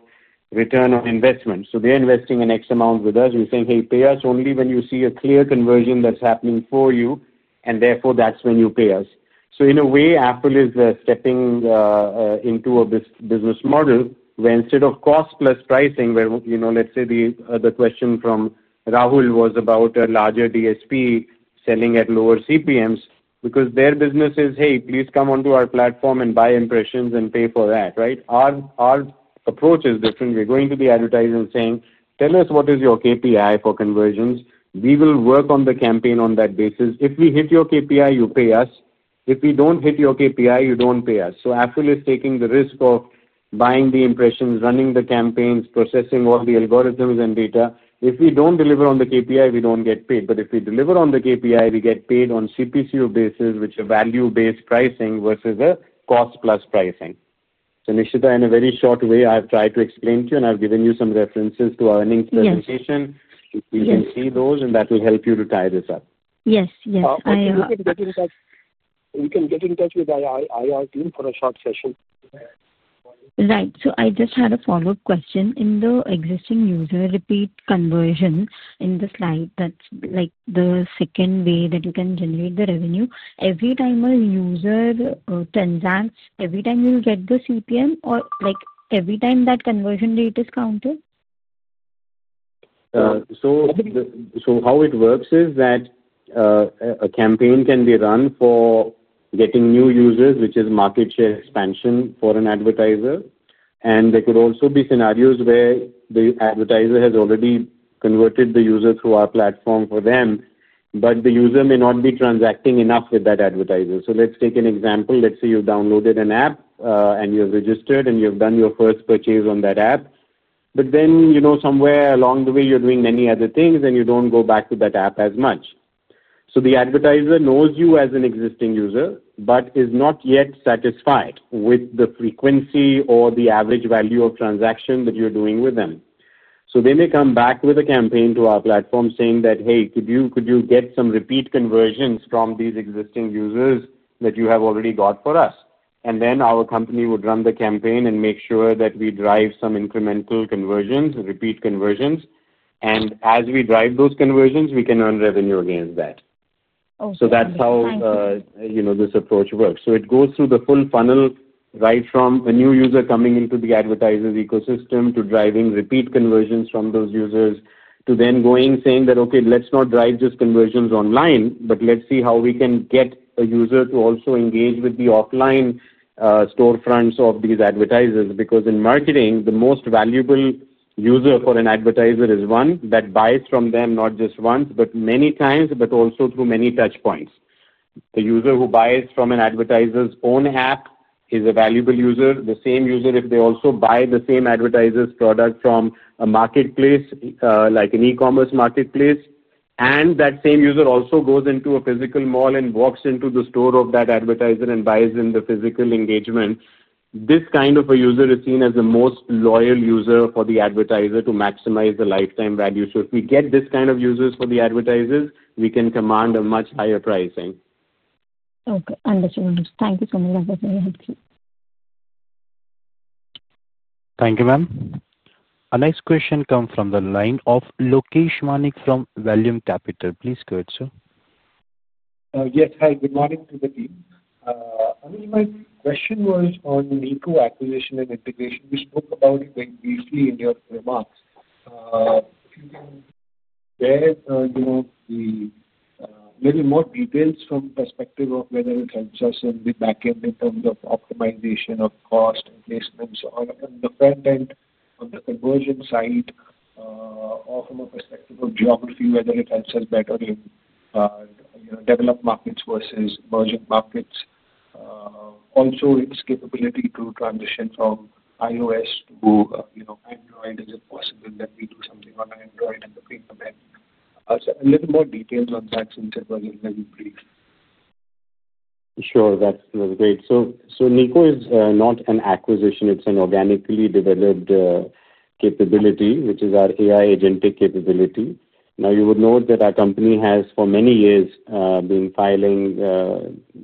return on investment. They are investing an X amount with us. We're saying, "Hey, pay us only when you see a clear conversion that's happening for you," and therefore that's when you pay us. In a way, Apple is stepping into a business model where instead of cost plus pricing, where let's say the question from Rahul was about a larger DSP selling at lower CPMs because their business is, "Hey, please come onto our platform and buy impressions and pay for that," right? Our approach is different. We're going to the advertiser and saying, "Tell us what is your KPI for conversions. We will work on the campaign on that basis. If we hit your KPI, you pay us. If we don't hit your KPI, you don't pay us." Apple is taking the risk of buying the impressions, running the campaigns, processing all the algorithms and data. If we don't deliver on the KPI, we don't get paid. If we deliver on the KPI, we get paid on CPCU basis, which is value-based pricing versus a cost plus pricing. Nishita, in a very short way, I've tried to explain to you, and I've given you some references to our earnings presentation. You can see those, and that will help you to tie this up. Yes. Yes. I also. You can get in touch with our IR team for a short session. Right. I just had a follow-up question. In the existing user repeat conversion in the slide, that is the second way that you can generate the revenue. Every time a user transacts, every time you get the CPM, or every time that conversion rate is counted? How it works is that a campaign can be run for getting new users, which is market share expansion for an advertiser. There could also be scenarios where the advertiser has already converted the user through our platform for them, but the user may not be transacting enough with that advertiser. Let's take an example. Let's say you've downloaded an app, and you've registered, and you've done your first purchase on that app. Then somewhere along the way, you're doing many other things, and you don't go back to that app as much. The advertiser knows you as an existing user but is not yet satisfied with the frequency or the average value of transaction that you're doing with them. They may come back with a campaign to our platform saying, "Hey, could you get some repeat conversions from these existing users that you have already got for us?" Our company would run the campaign and make sure that we drive some incremental conversions, repeat conversions. As we drive those conversions, we can earn revenue against that. That's how this approach works. It goes through the full funnel right from a new user coming into the advertiser's ecosystem to driving repeat conversions from those users to then going, saying, "Okay, let's not drive just conversions online, but let's see how we can get a user to also engage with the offline storefronts of these advertisers." In marketing, the most valuable user for an advertiser is one that buys from them not just once, but many times, but also through many touchpoints. The user who buys from an advertiser's own app is a valuable user. The same user, if they also buy the same advertiser's product from a marketplace, like an e-commerce marketplace, and that same user also goes into a physical mall and walks into the store of that advertiser and buys in the physical engagement, this kind of a user is seen as the most loyal user for the advertiser to maximize the lifetime value. If we get this kind of users for the advertisers, we can command a much higher pricing. Okay. Understood. Thank you so much. That was very helpful. Thank you, ma'am. Our next question comes from the line of Lokesh Manik from Vallum Capital. Please go ahead, sir. Yes. Hi. Good morning to the team. I mean, my question was on Niko acquisition and integration. You spoke about it very briefly in your remarks. If you can share maybe more details from the perspective of whether it helps us in the backend in terms of optimization of cost and placements on the front end, on the conversion side. Or from a perspective of geography, whether it helps us better in developed markets versus emerging markets. Also, its capability to transition from iOS to Android. Is it possible that we do something on Android and the payment end? A little more details on that since it was a little brief. Sure. That was great. So Niko is not an acquisition. It's an organically developed capability, which is our AI agentic capability. Now, you would note that our company has for many years been filing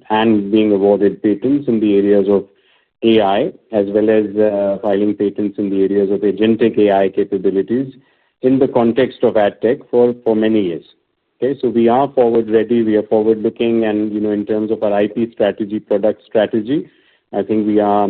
and being awarded patents in the areas of AI, as well as filing patents in the areas of agentic AI capabilities in the context of AdTech for many years. Okay? We are forward-ready. We are forward-looking. In terms of our IP strategy, product strategy, I think we are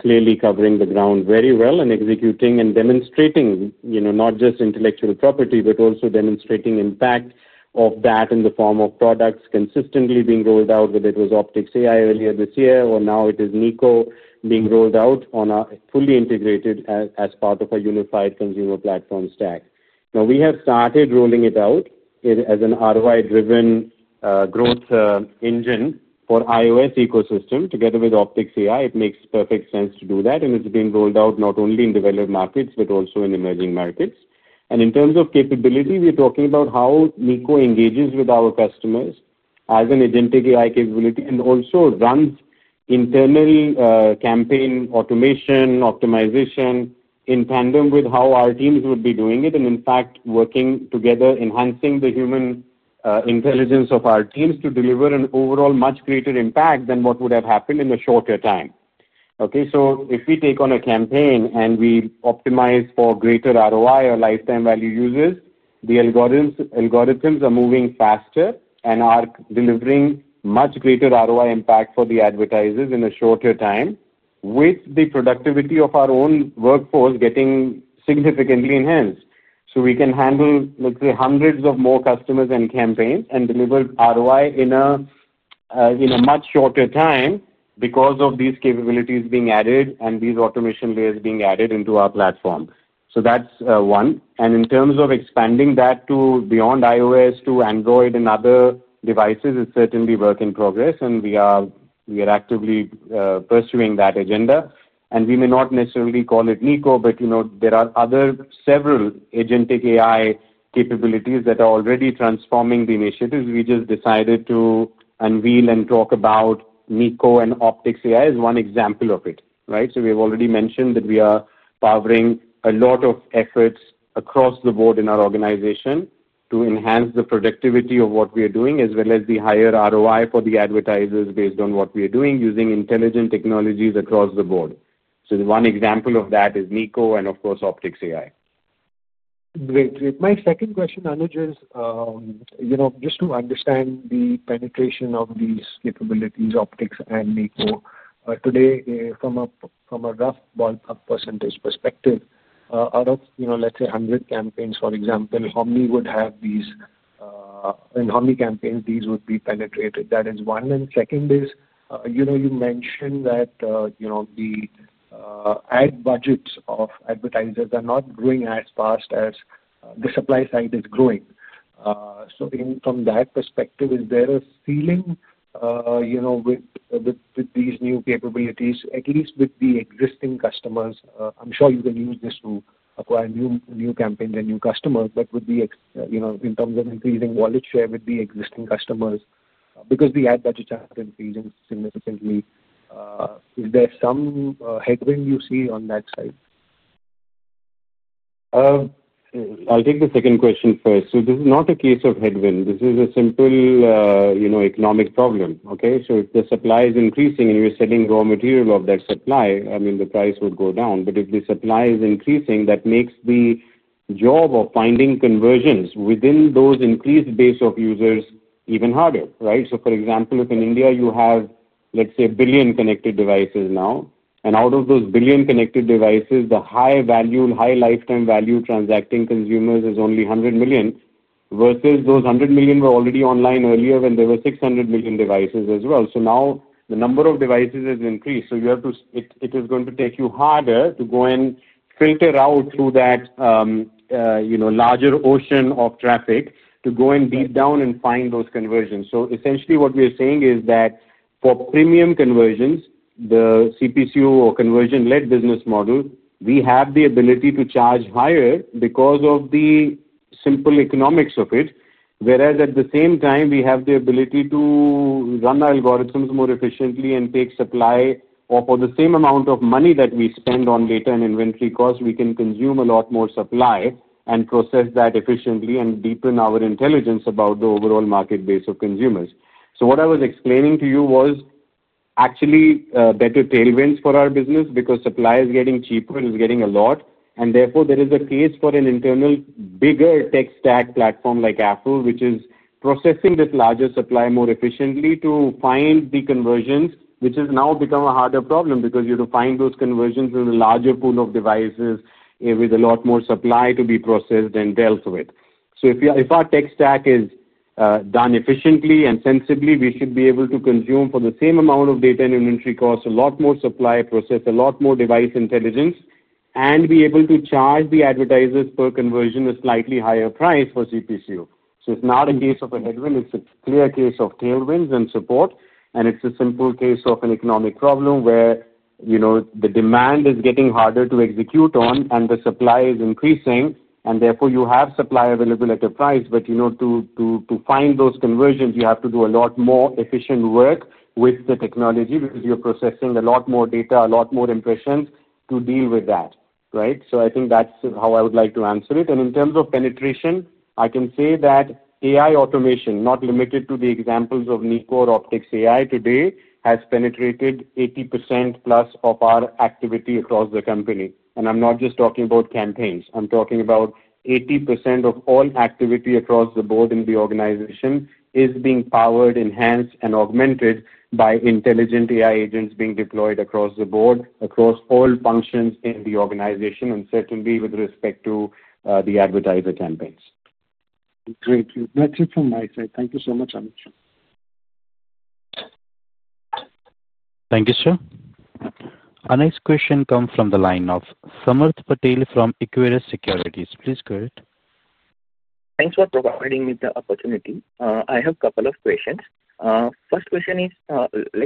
clearly covering the ground very well and executing and demonstrating not just intellectual property, but also demonstrating impact of that in the form of products consistently being rolled out, whether it was Opticks AI earlier this year or now it is Niko being rolled out on a fully integrated as part of a unified Consumer Platform Stack. We have started rolling it out as an ROI-driven growth engine for the iOS ecosystem together with Opticks AI. It makes perfect sense to do that. It's being rolled out not only in developed markets but also in emerging markets. In terms of capability, we're talking about how Niko engages with our customers as an agentic AI capability and also runs internal campaign automation, optimization in tandem with how our teams would be doing it and, in fact, working together, enhancing the human intelligence of our teams to deliver an overall much greater impact than what would have happened in a shorter time. Okay? If we take on a campaign and we optimize for greater ROI or lifetime value users, the algorithms are moving faster and are delivering much greater ROI impact for the advertisers in a shorter time, with the productivity of our own workforce getting significantly enhanced. We can handle, let's say, hundreds of more customers and campaigns and deliver ROI in a much shorter time because of these capabilities being added and these automation layers being added into our platform. That's one. In terms of expanding that beyond iOS to Android and other devices, it's certainly a work in progress, and we are actively pursuing that agenda. We may not necessarily call it Niko, but there are several agentic AI capabilities that are already transforming the initiatives. We just decided to unveil and talk about Niko and Opticks AI as one example of it, right? We've already mentioned that we are powering a lot of efforts across the board in our organization to enhance the productivity of what we are doing, as well as the higher ROI for the advertisers based on what we are doing using intelligent technologies across the board. One example of that is Niko and, of course, Opticks AI. Great. My second question, Anuj, is just to understand the penetration of these capabilities, Opticks and Niko, today, from a rough ballpark percentage perspective, out of, let's say, 100 campaigns, for example, how many would have these, and how many campaigns these would be penetrated? That is one. Second is, you mentioned that the ad budgets of advertisers are not growing as fast as the supply side is growing. From that perspective, is there a ceiling with these new capabilities, at least with the existing customers? I'm sure you can use this to acquire new campaigns and new customers, but in terms of increasing wallet share with the existing customers, because the ad budgets are not increasing significantly, is there some headwind you see on that side? I'll take the second question first. This is not a case of headwind. This is a simple economic problem, okay? If the supply is increasing and you're selling raw material of that supply, the price would go down. If the supply is increasing, that makes the job of finding conversions within those increased base of users even harder, right? For example, if in India, you have, let's say, a billion connected devices now, and out of those billion connected devices, the high-lifetime value transacting consumers is only 100 million, versus those 100 million were already online earlier when there were 600 million devices as well. Now the number of devices has increased. It is going to take you harder to go and filter out through that larger ocean of traffic to go and deep down and find those conversions. Essentially, what we are saying is that for premium conversions, the CPCU or conversion-led business model, we have the ability to charge higher because of the simple economics of it, whereas at the same time, we have the ability to run our algorithms more efficiently and take supply for the same amount of money that we spend on data and inventory costs. We can consume a lot more supply and process that efficiently and deepen our intelligence about the overall market base of consumers. What I was explaining to you was actually better tailwinds for our business because supply is getting cheaper, is getting a lot. Therefore, there is a case for an internal bigger tech stack platform like Affle, which is processing this larger supply more efficiently to find the conversions, which has now become a harder problem because you have to find those conversions in a larger pool of devices with a lot more supply to be processed and dealt with. If our tech stack is done efficiently and sensibly, we should be able to consume for the same amount of data and inventory costs, a lot more supply processed, a lot more device intelligence, and be able to charge the advertisers per conversion a slightly higher price for CPCU. It's not a case of a headwind. It's a clear case of tailwinds and support. It's a simple case of an economic problem where the demand is getting harder to execute on, and the supply is increasing. Therefore, you have supply available at a price. To find those conversions, you have to do a lot more efficient work with the technology because you're processing a lot more data, a lot more impressions to deal with that, right? I think that's how I would like to answer it. In terms of penetration, I can say that AI automation, not limited to the examples of Niko or Opticks AI today, has penetrated 80%+ of our activity across the company. I'm not just talking about campaigns. I'm talking about 80% of all activity across the board in the organization is being powered, enhanced, and augmented by intelligent AI agents being deployed across the board, across all functions in the organization, and certainly with respect to the advertiser campaigns. Great. That's it from my side. Thank you so much, Anuj. Thank you, sir. Our next question comes from the line of Samarth Patel from Equirus Securities. Please go ahead. Thanks for providing me the opportunity. I have a couple of questions. First question is,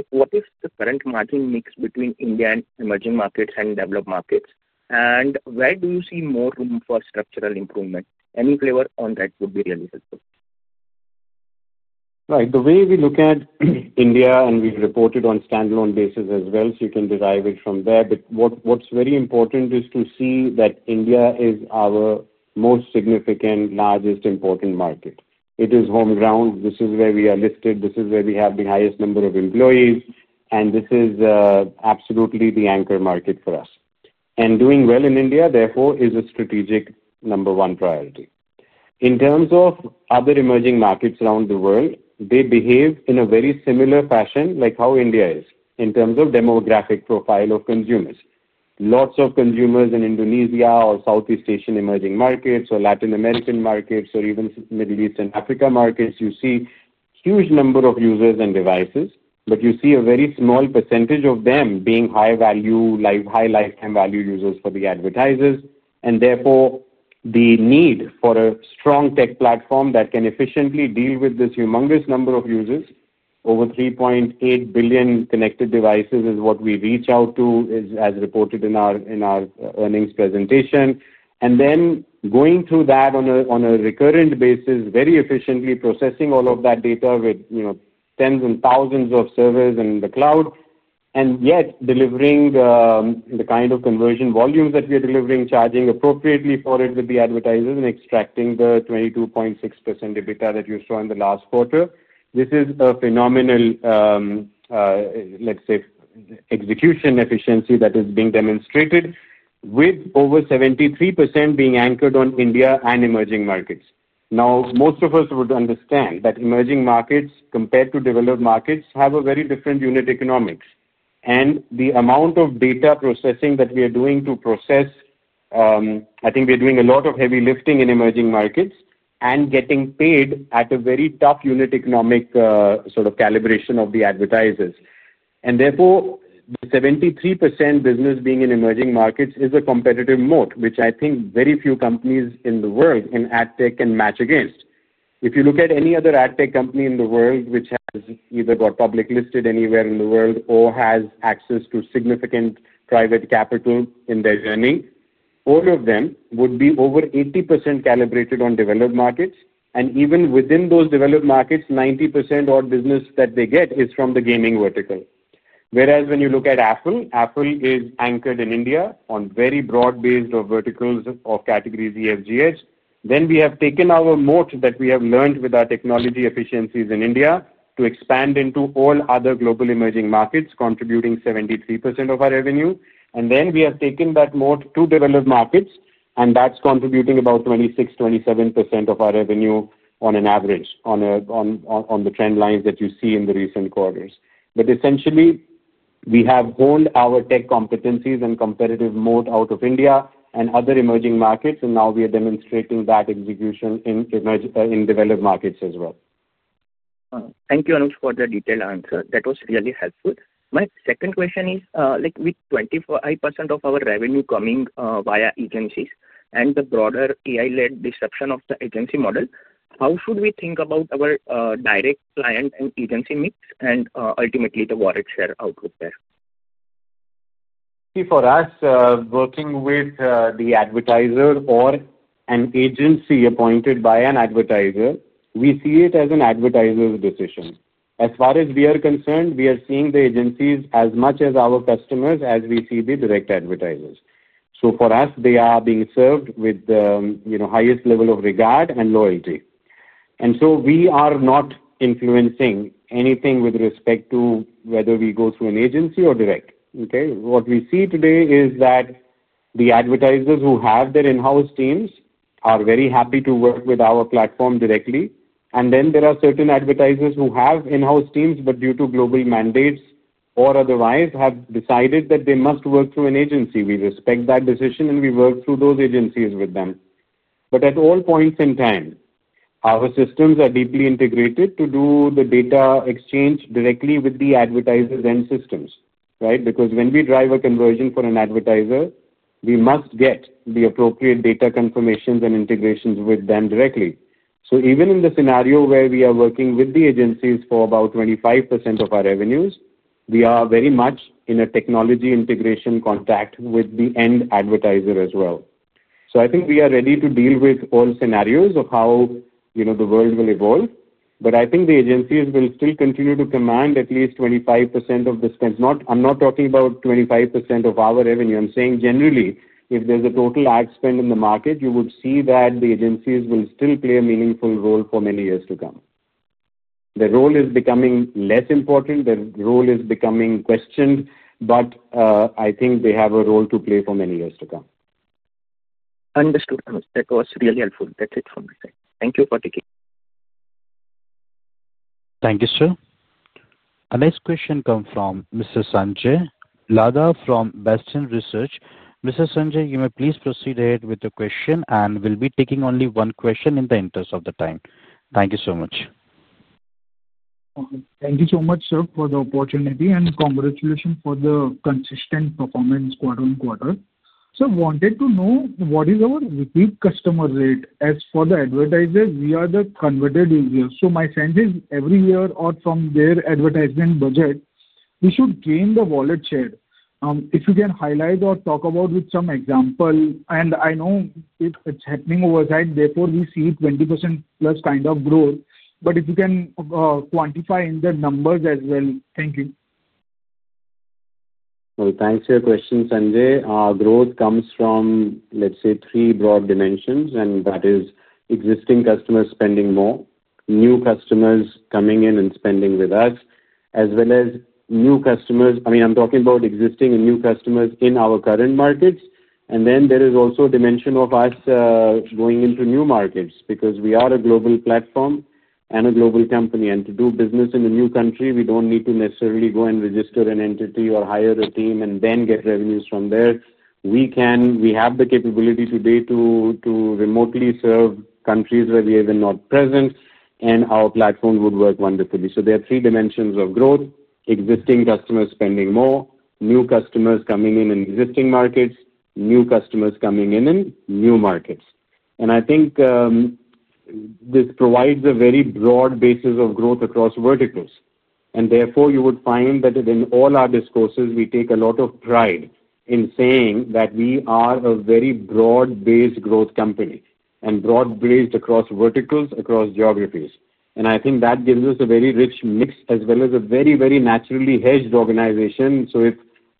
what is the current margin mix between India and emerging markets and developed markets? Where do you see more room for structural improvement? Any flavor on that would be really helpful. Right. The way we look at India, and we've reported on a standalone basis as well, so you can derive it from there. What's very important is to see that India is our most significant, largest, important market. It is home ground. This is where we are listed. This is where we have the highest number of employees. This is absolutely the anchor market for us. Doing well in India, therefore, is a strategic number one priority. In terms of other emerging markets around the world, they behave in a very similar fashion like how India is in terms of demographic profile of consumers. Lots of consumers in Indonesia or Southeast Asian emerging markets or Latin American markets or even Middle East and Africa markets, you see a huge number of users and devices, but you see a very small percentage of them being high-value, high lifetime value users for the advertisers. Therefore, the need for a strong tech platform that can efficiently deal with this humongous number of users, over 3.8 billion connected devices is what we reach out to, as reported in our earnings presentation. Going through that on a recurrent basis, very efficiently processing all of that data with tens and thousands of servers in the cloud, and yet delivering the kind of conversion volumes that we are delivering, charging appropriately for it with the advertisers and extracting the 22.6% EBITDA that you saw in the last quarter, this is a phenomenal. Let's say, execution efficiency that is being demonstrated with over 73% being anchored on India and emerging markets. Most of us would understand that emerging markets, compared to developed markets, have a very different unit economics. The amount of data processing that we are doing to process. I think we are doing a lot of heavy lifting in emerging markets and getting paid at a very tough unit economic sort of calibration of the advertisers. Therefore, the 73% business being in emerging markets is a competitive moat, which I think very few companies in the world in AdTech can match against. If you look at any other AdTech company in the world which has either got public listed anywhere in the world or has access to significant private capital in their journey, all of them would be over 80% calibrated on developed markets. Even within those developed markets, 90% of business that they get is from the gaming vertical. Whereas when you look at Affle, Affle is anchored in India on very broad-based verticals of categories EFGH. We have taken our moat that we have learned with our technology efficiencies in India to expand into all other global emerging markets, contributing 73% of our revenue. We have taken that moat to developed markets, and that's contributing about 26%-27% of our revenue on an average on the trend lines that you see in the recent quarters. Essentially, we have honed our tech competencies and competitive moat out of India and other emerging markets. Now we are demonstrating that execution in developed markets as well. Thank you, Anuj, for the detailed answer. That was really helpful. My second question is, with 25% of our revenue coming via agencies and the broader AI-led disruption of the agency model, how should we think about our direct client and agency mix and ultimately the wallet share output there? For us, working with the advertiser or an agency appointed by an advertiser, we see it as an advertiser's decision. As far as we are concerned, we are seeing the agencies as much as our customers as we see the direct advertisers. For us, they are being served with the highest level of regard and loyalty. We are not influencing anything with respect to whether we go through an agency or direct. What we see today is that the advertisers who have their in-house teams are very happy to work with our platform directly. Then there are certain advertisers who have in-house teams but, due to global mandates or otherwise, have decided that they must work through an agency. We respect that decision, and we work through those agencies with them. At all points in time, our systems are deeply integrated to do the data exchange directly with the advertisers and systems, right? Because when we drive a conversion for an advertiser, we must get the appropriate data confirmations and integrations with them directly. Even in the scenario where we are working with the agencies for about 25% of our revenues, we are very much in a technology integration contact with the end advertiser as well. I think we are ready to deal with all scenarios of how the world will evolve. I think the agencies will still continue to command at least 25% of the spend. I'm not talking about 25% of our revenue. I'm saying generally, if there's a total ad spend in the market, you would see that the agencies will still play a meaningful role for many years to come. Their role is becoming less important. Their role is becoming questioned, but I think they have a role to play for many years to come. Understood, Anuj. That was really helpful. That's it from my side. Thank you for taking— Thank you, sir. Our next question comes from Mr. Sanjay Ladha from Bastion Research. Mr. Sanjay, you may please proceed ahead with the question, and we'll be taking only one question in the interest of the time. Thank you so much. Thank you so much, sir, for the opportunity. Congratulations for the consistent performance quarter on quarter. Sir, I wanted to know what is our repeat customer rate? As for the advertisers, we are the converted users. My sense is every year out from their advertisement budget, we should gain the wallet share. If you can highlight or talk about with some example, I know it is happening overside, therefore we see 20%+ kind of growth. If you can quantify in the numbers as well. Thank you. Thank you for your question, Sanjay. Our growth comes from, let's say, three broad dimensions, and that is existing customers spending more, new customers coming in and spending with us, as well as new customers—I mean, I'm talking about existing and new customers in our current markets. There is also a dimension of us going into new markets because we are a global platform and a global company. To do business in a new country, we do not need to necessarily go and register an entity or hire a team and then get revenues from there. We have the capability today to remotely serve countries where we are even not present, and our platform would work wonderfully. There are three dimensions of growth: existing customers spending more, new customers coming in in existing markets, new customers coming in in new markets. I think this provides a very broad basis of growth across verticals. Therefore, you would find that in all our discourses, we take a lot of pride in saying that we are a very broad-based growth company and broad-based across verticals, across geographies. I think that gives us a very rich mix as well as a very, very naturally hedged organization. If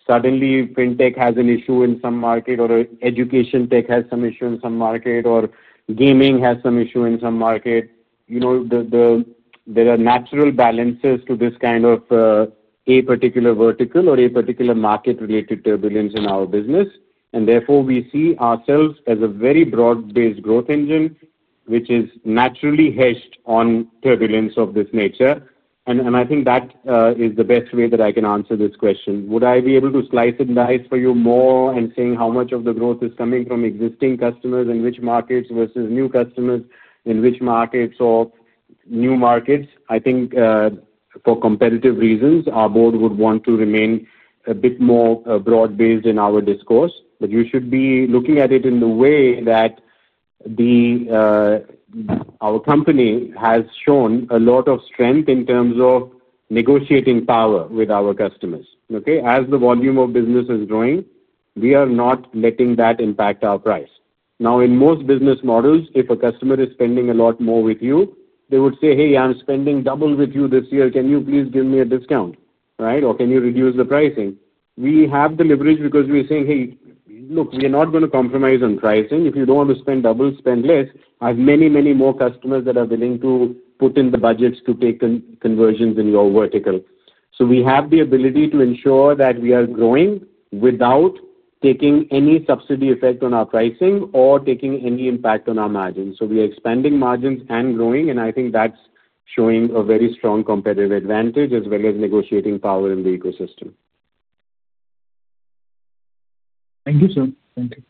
suddenly FinTech has an issue in some market or education tech has some issue in some market or gaming has some issue in some market, there are natural balances to this kind of a particular vertical or a particular market-related turbulence in our business. Therefore, we see ourselves as a very broad-based growth engine, which is naturally hedged on turbulence of this nature. I think that is the best way that I can answer this question. Would I be able to slice and dice for you more and say how much of the growth is coming from existing customers in which markets versus new customers in which markets or new markets? I think for competitive reasons, our board would want to remain a bit more broad-based in our discourse. You should be looking at it in the way that our company has shown a lot of strength in terms of negotiating power with our customers. Okay? As the volume of business is growing, we are not letting that impact our price. Now, in most business models, if a customer is spending a lot more with you, they would say, "Hey, I'm spending double with you this year. Can you please give me a discount?" Right? Or, "Can you reduce the pricing?" We have the leverage because we're saying, "Hey, look, we are not going to compromise on pricing. If you do not want to spend double, spend less. I have many, many more customers that are willing to put in the budgets to take conversions in your vertical." We have the ability to ensure that we are growing without taking any subsidy effect on our pricing or taking any impact on our margins. We are expanding margins and growing, and I think that's showing a very strong competitive advantage as well as negotiating power in the ecosystem. Thank you, sir. Thank you.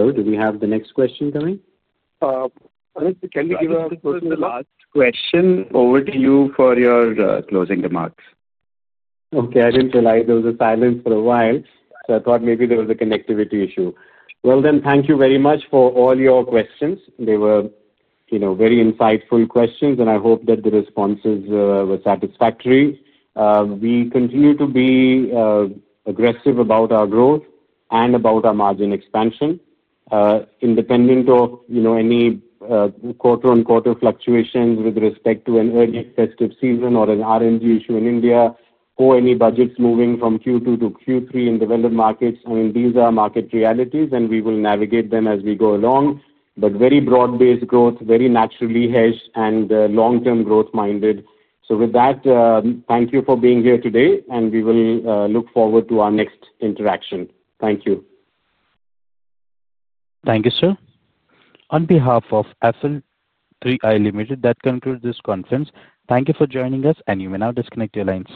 Hello. Do we have the next question coming? Anuj, can we give our question to the last question? Last question over to you for your closing remarks. Okay. I did not realize there was a silence for a while, so I thought maybe there was a connectivity issue. Thank you very much for all your questions. They were very insightful questions, and I hope that the responses were satisfactory. We continue to be aggressive about our growth and about our margin expansion. Independent of any quarter-on-quarter fluctuations with respect to an early festive season or an R&D issue in India or any budgets moving from Q2 to Q3 in developed markets, I mean, these are market realities, and we will navigate them as we go along. Very broad-based growth, very naturally hedged, and long-term growth-minded. With that, thank you for being here today, and we will look forward to our next interaction. Thank you. Thank you, sir. On behalf of Affle 3i Limited, that concludes this conference. Thank you for joining us, and you may now disconnect your lines.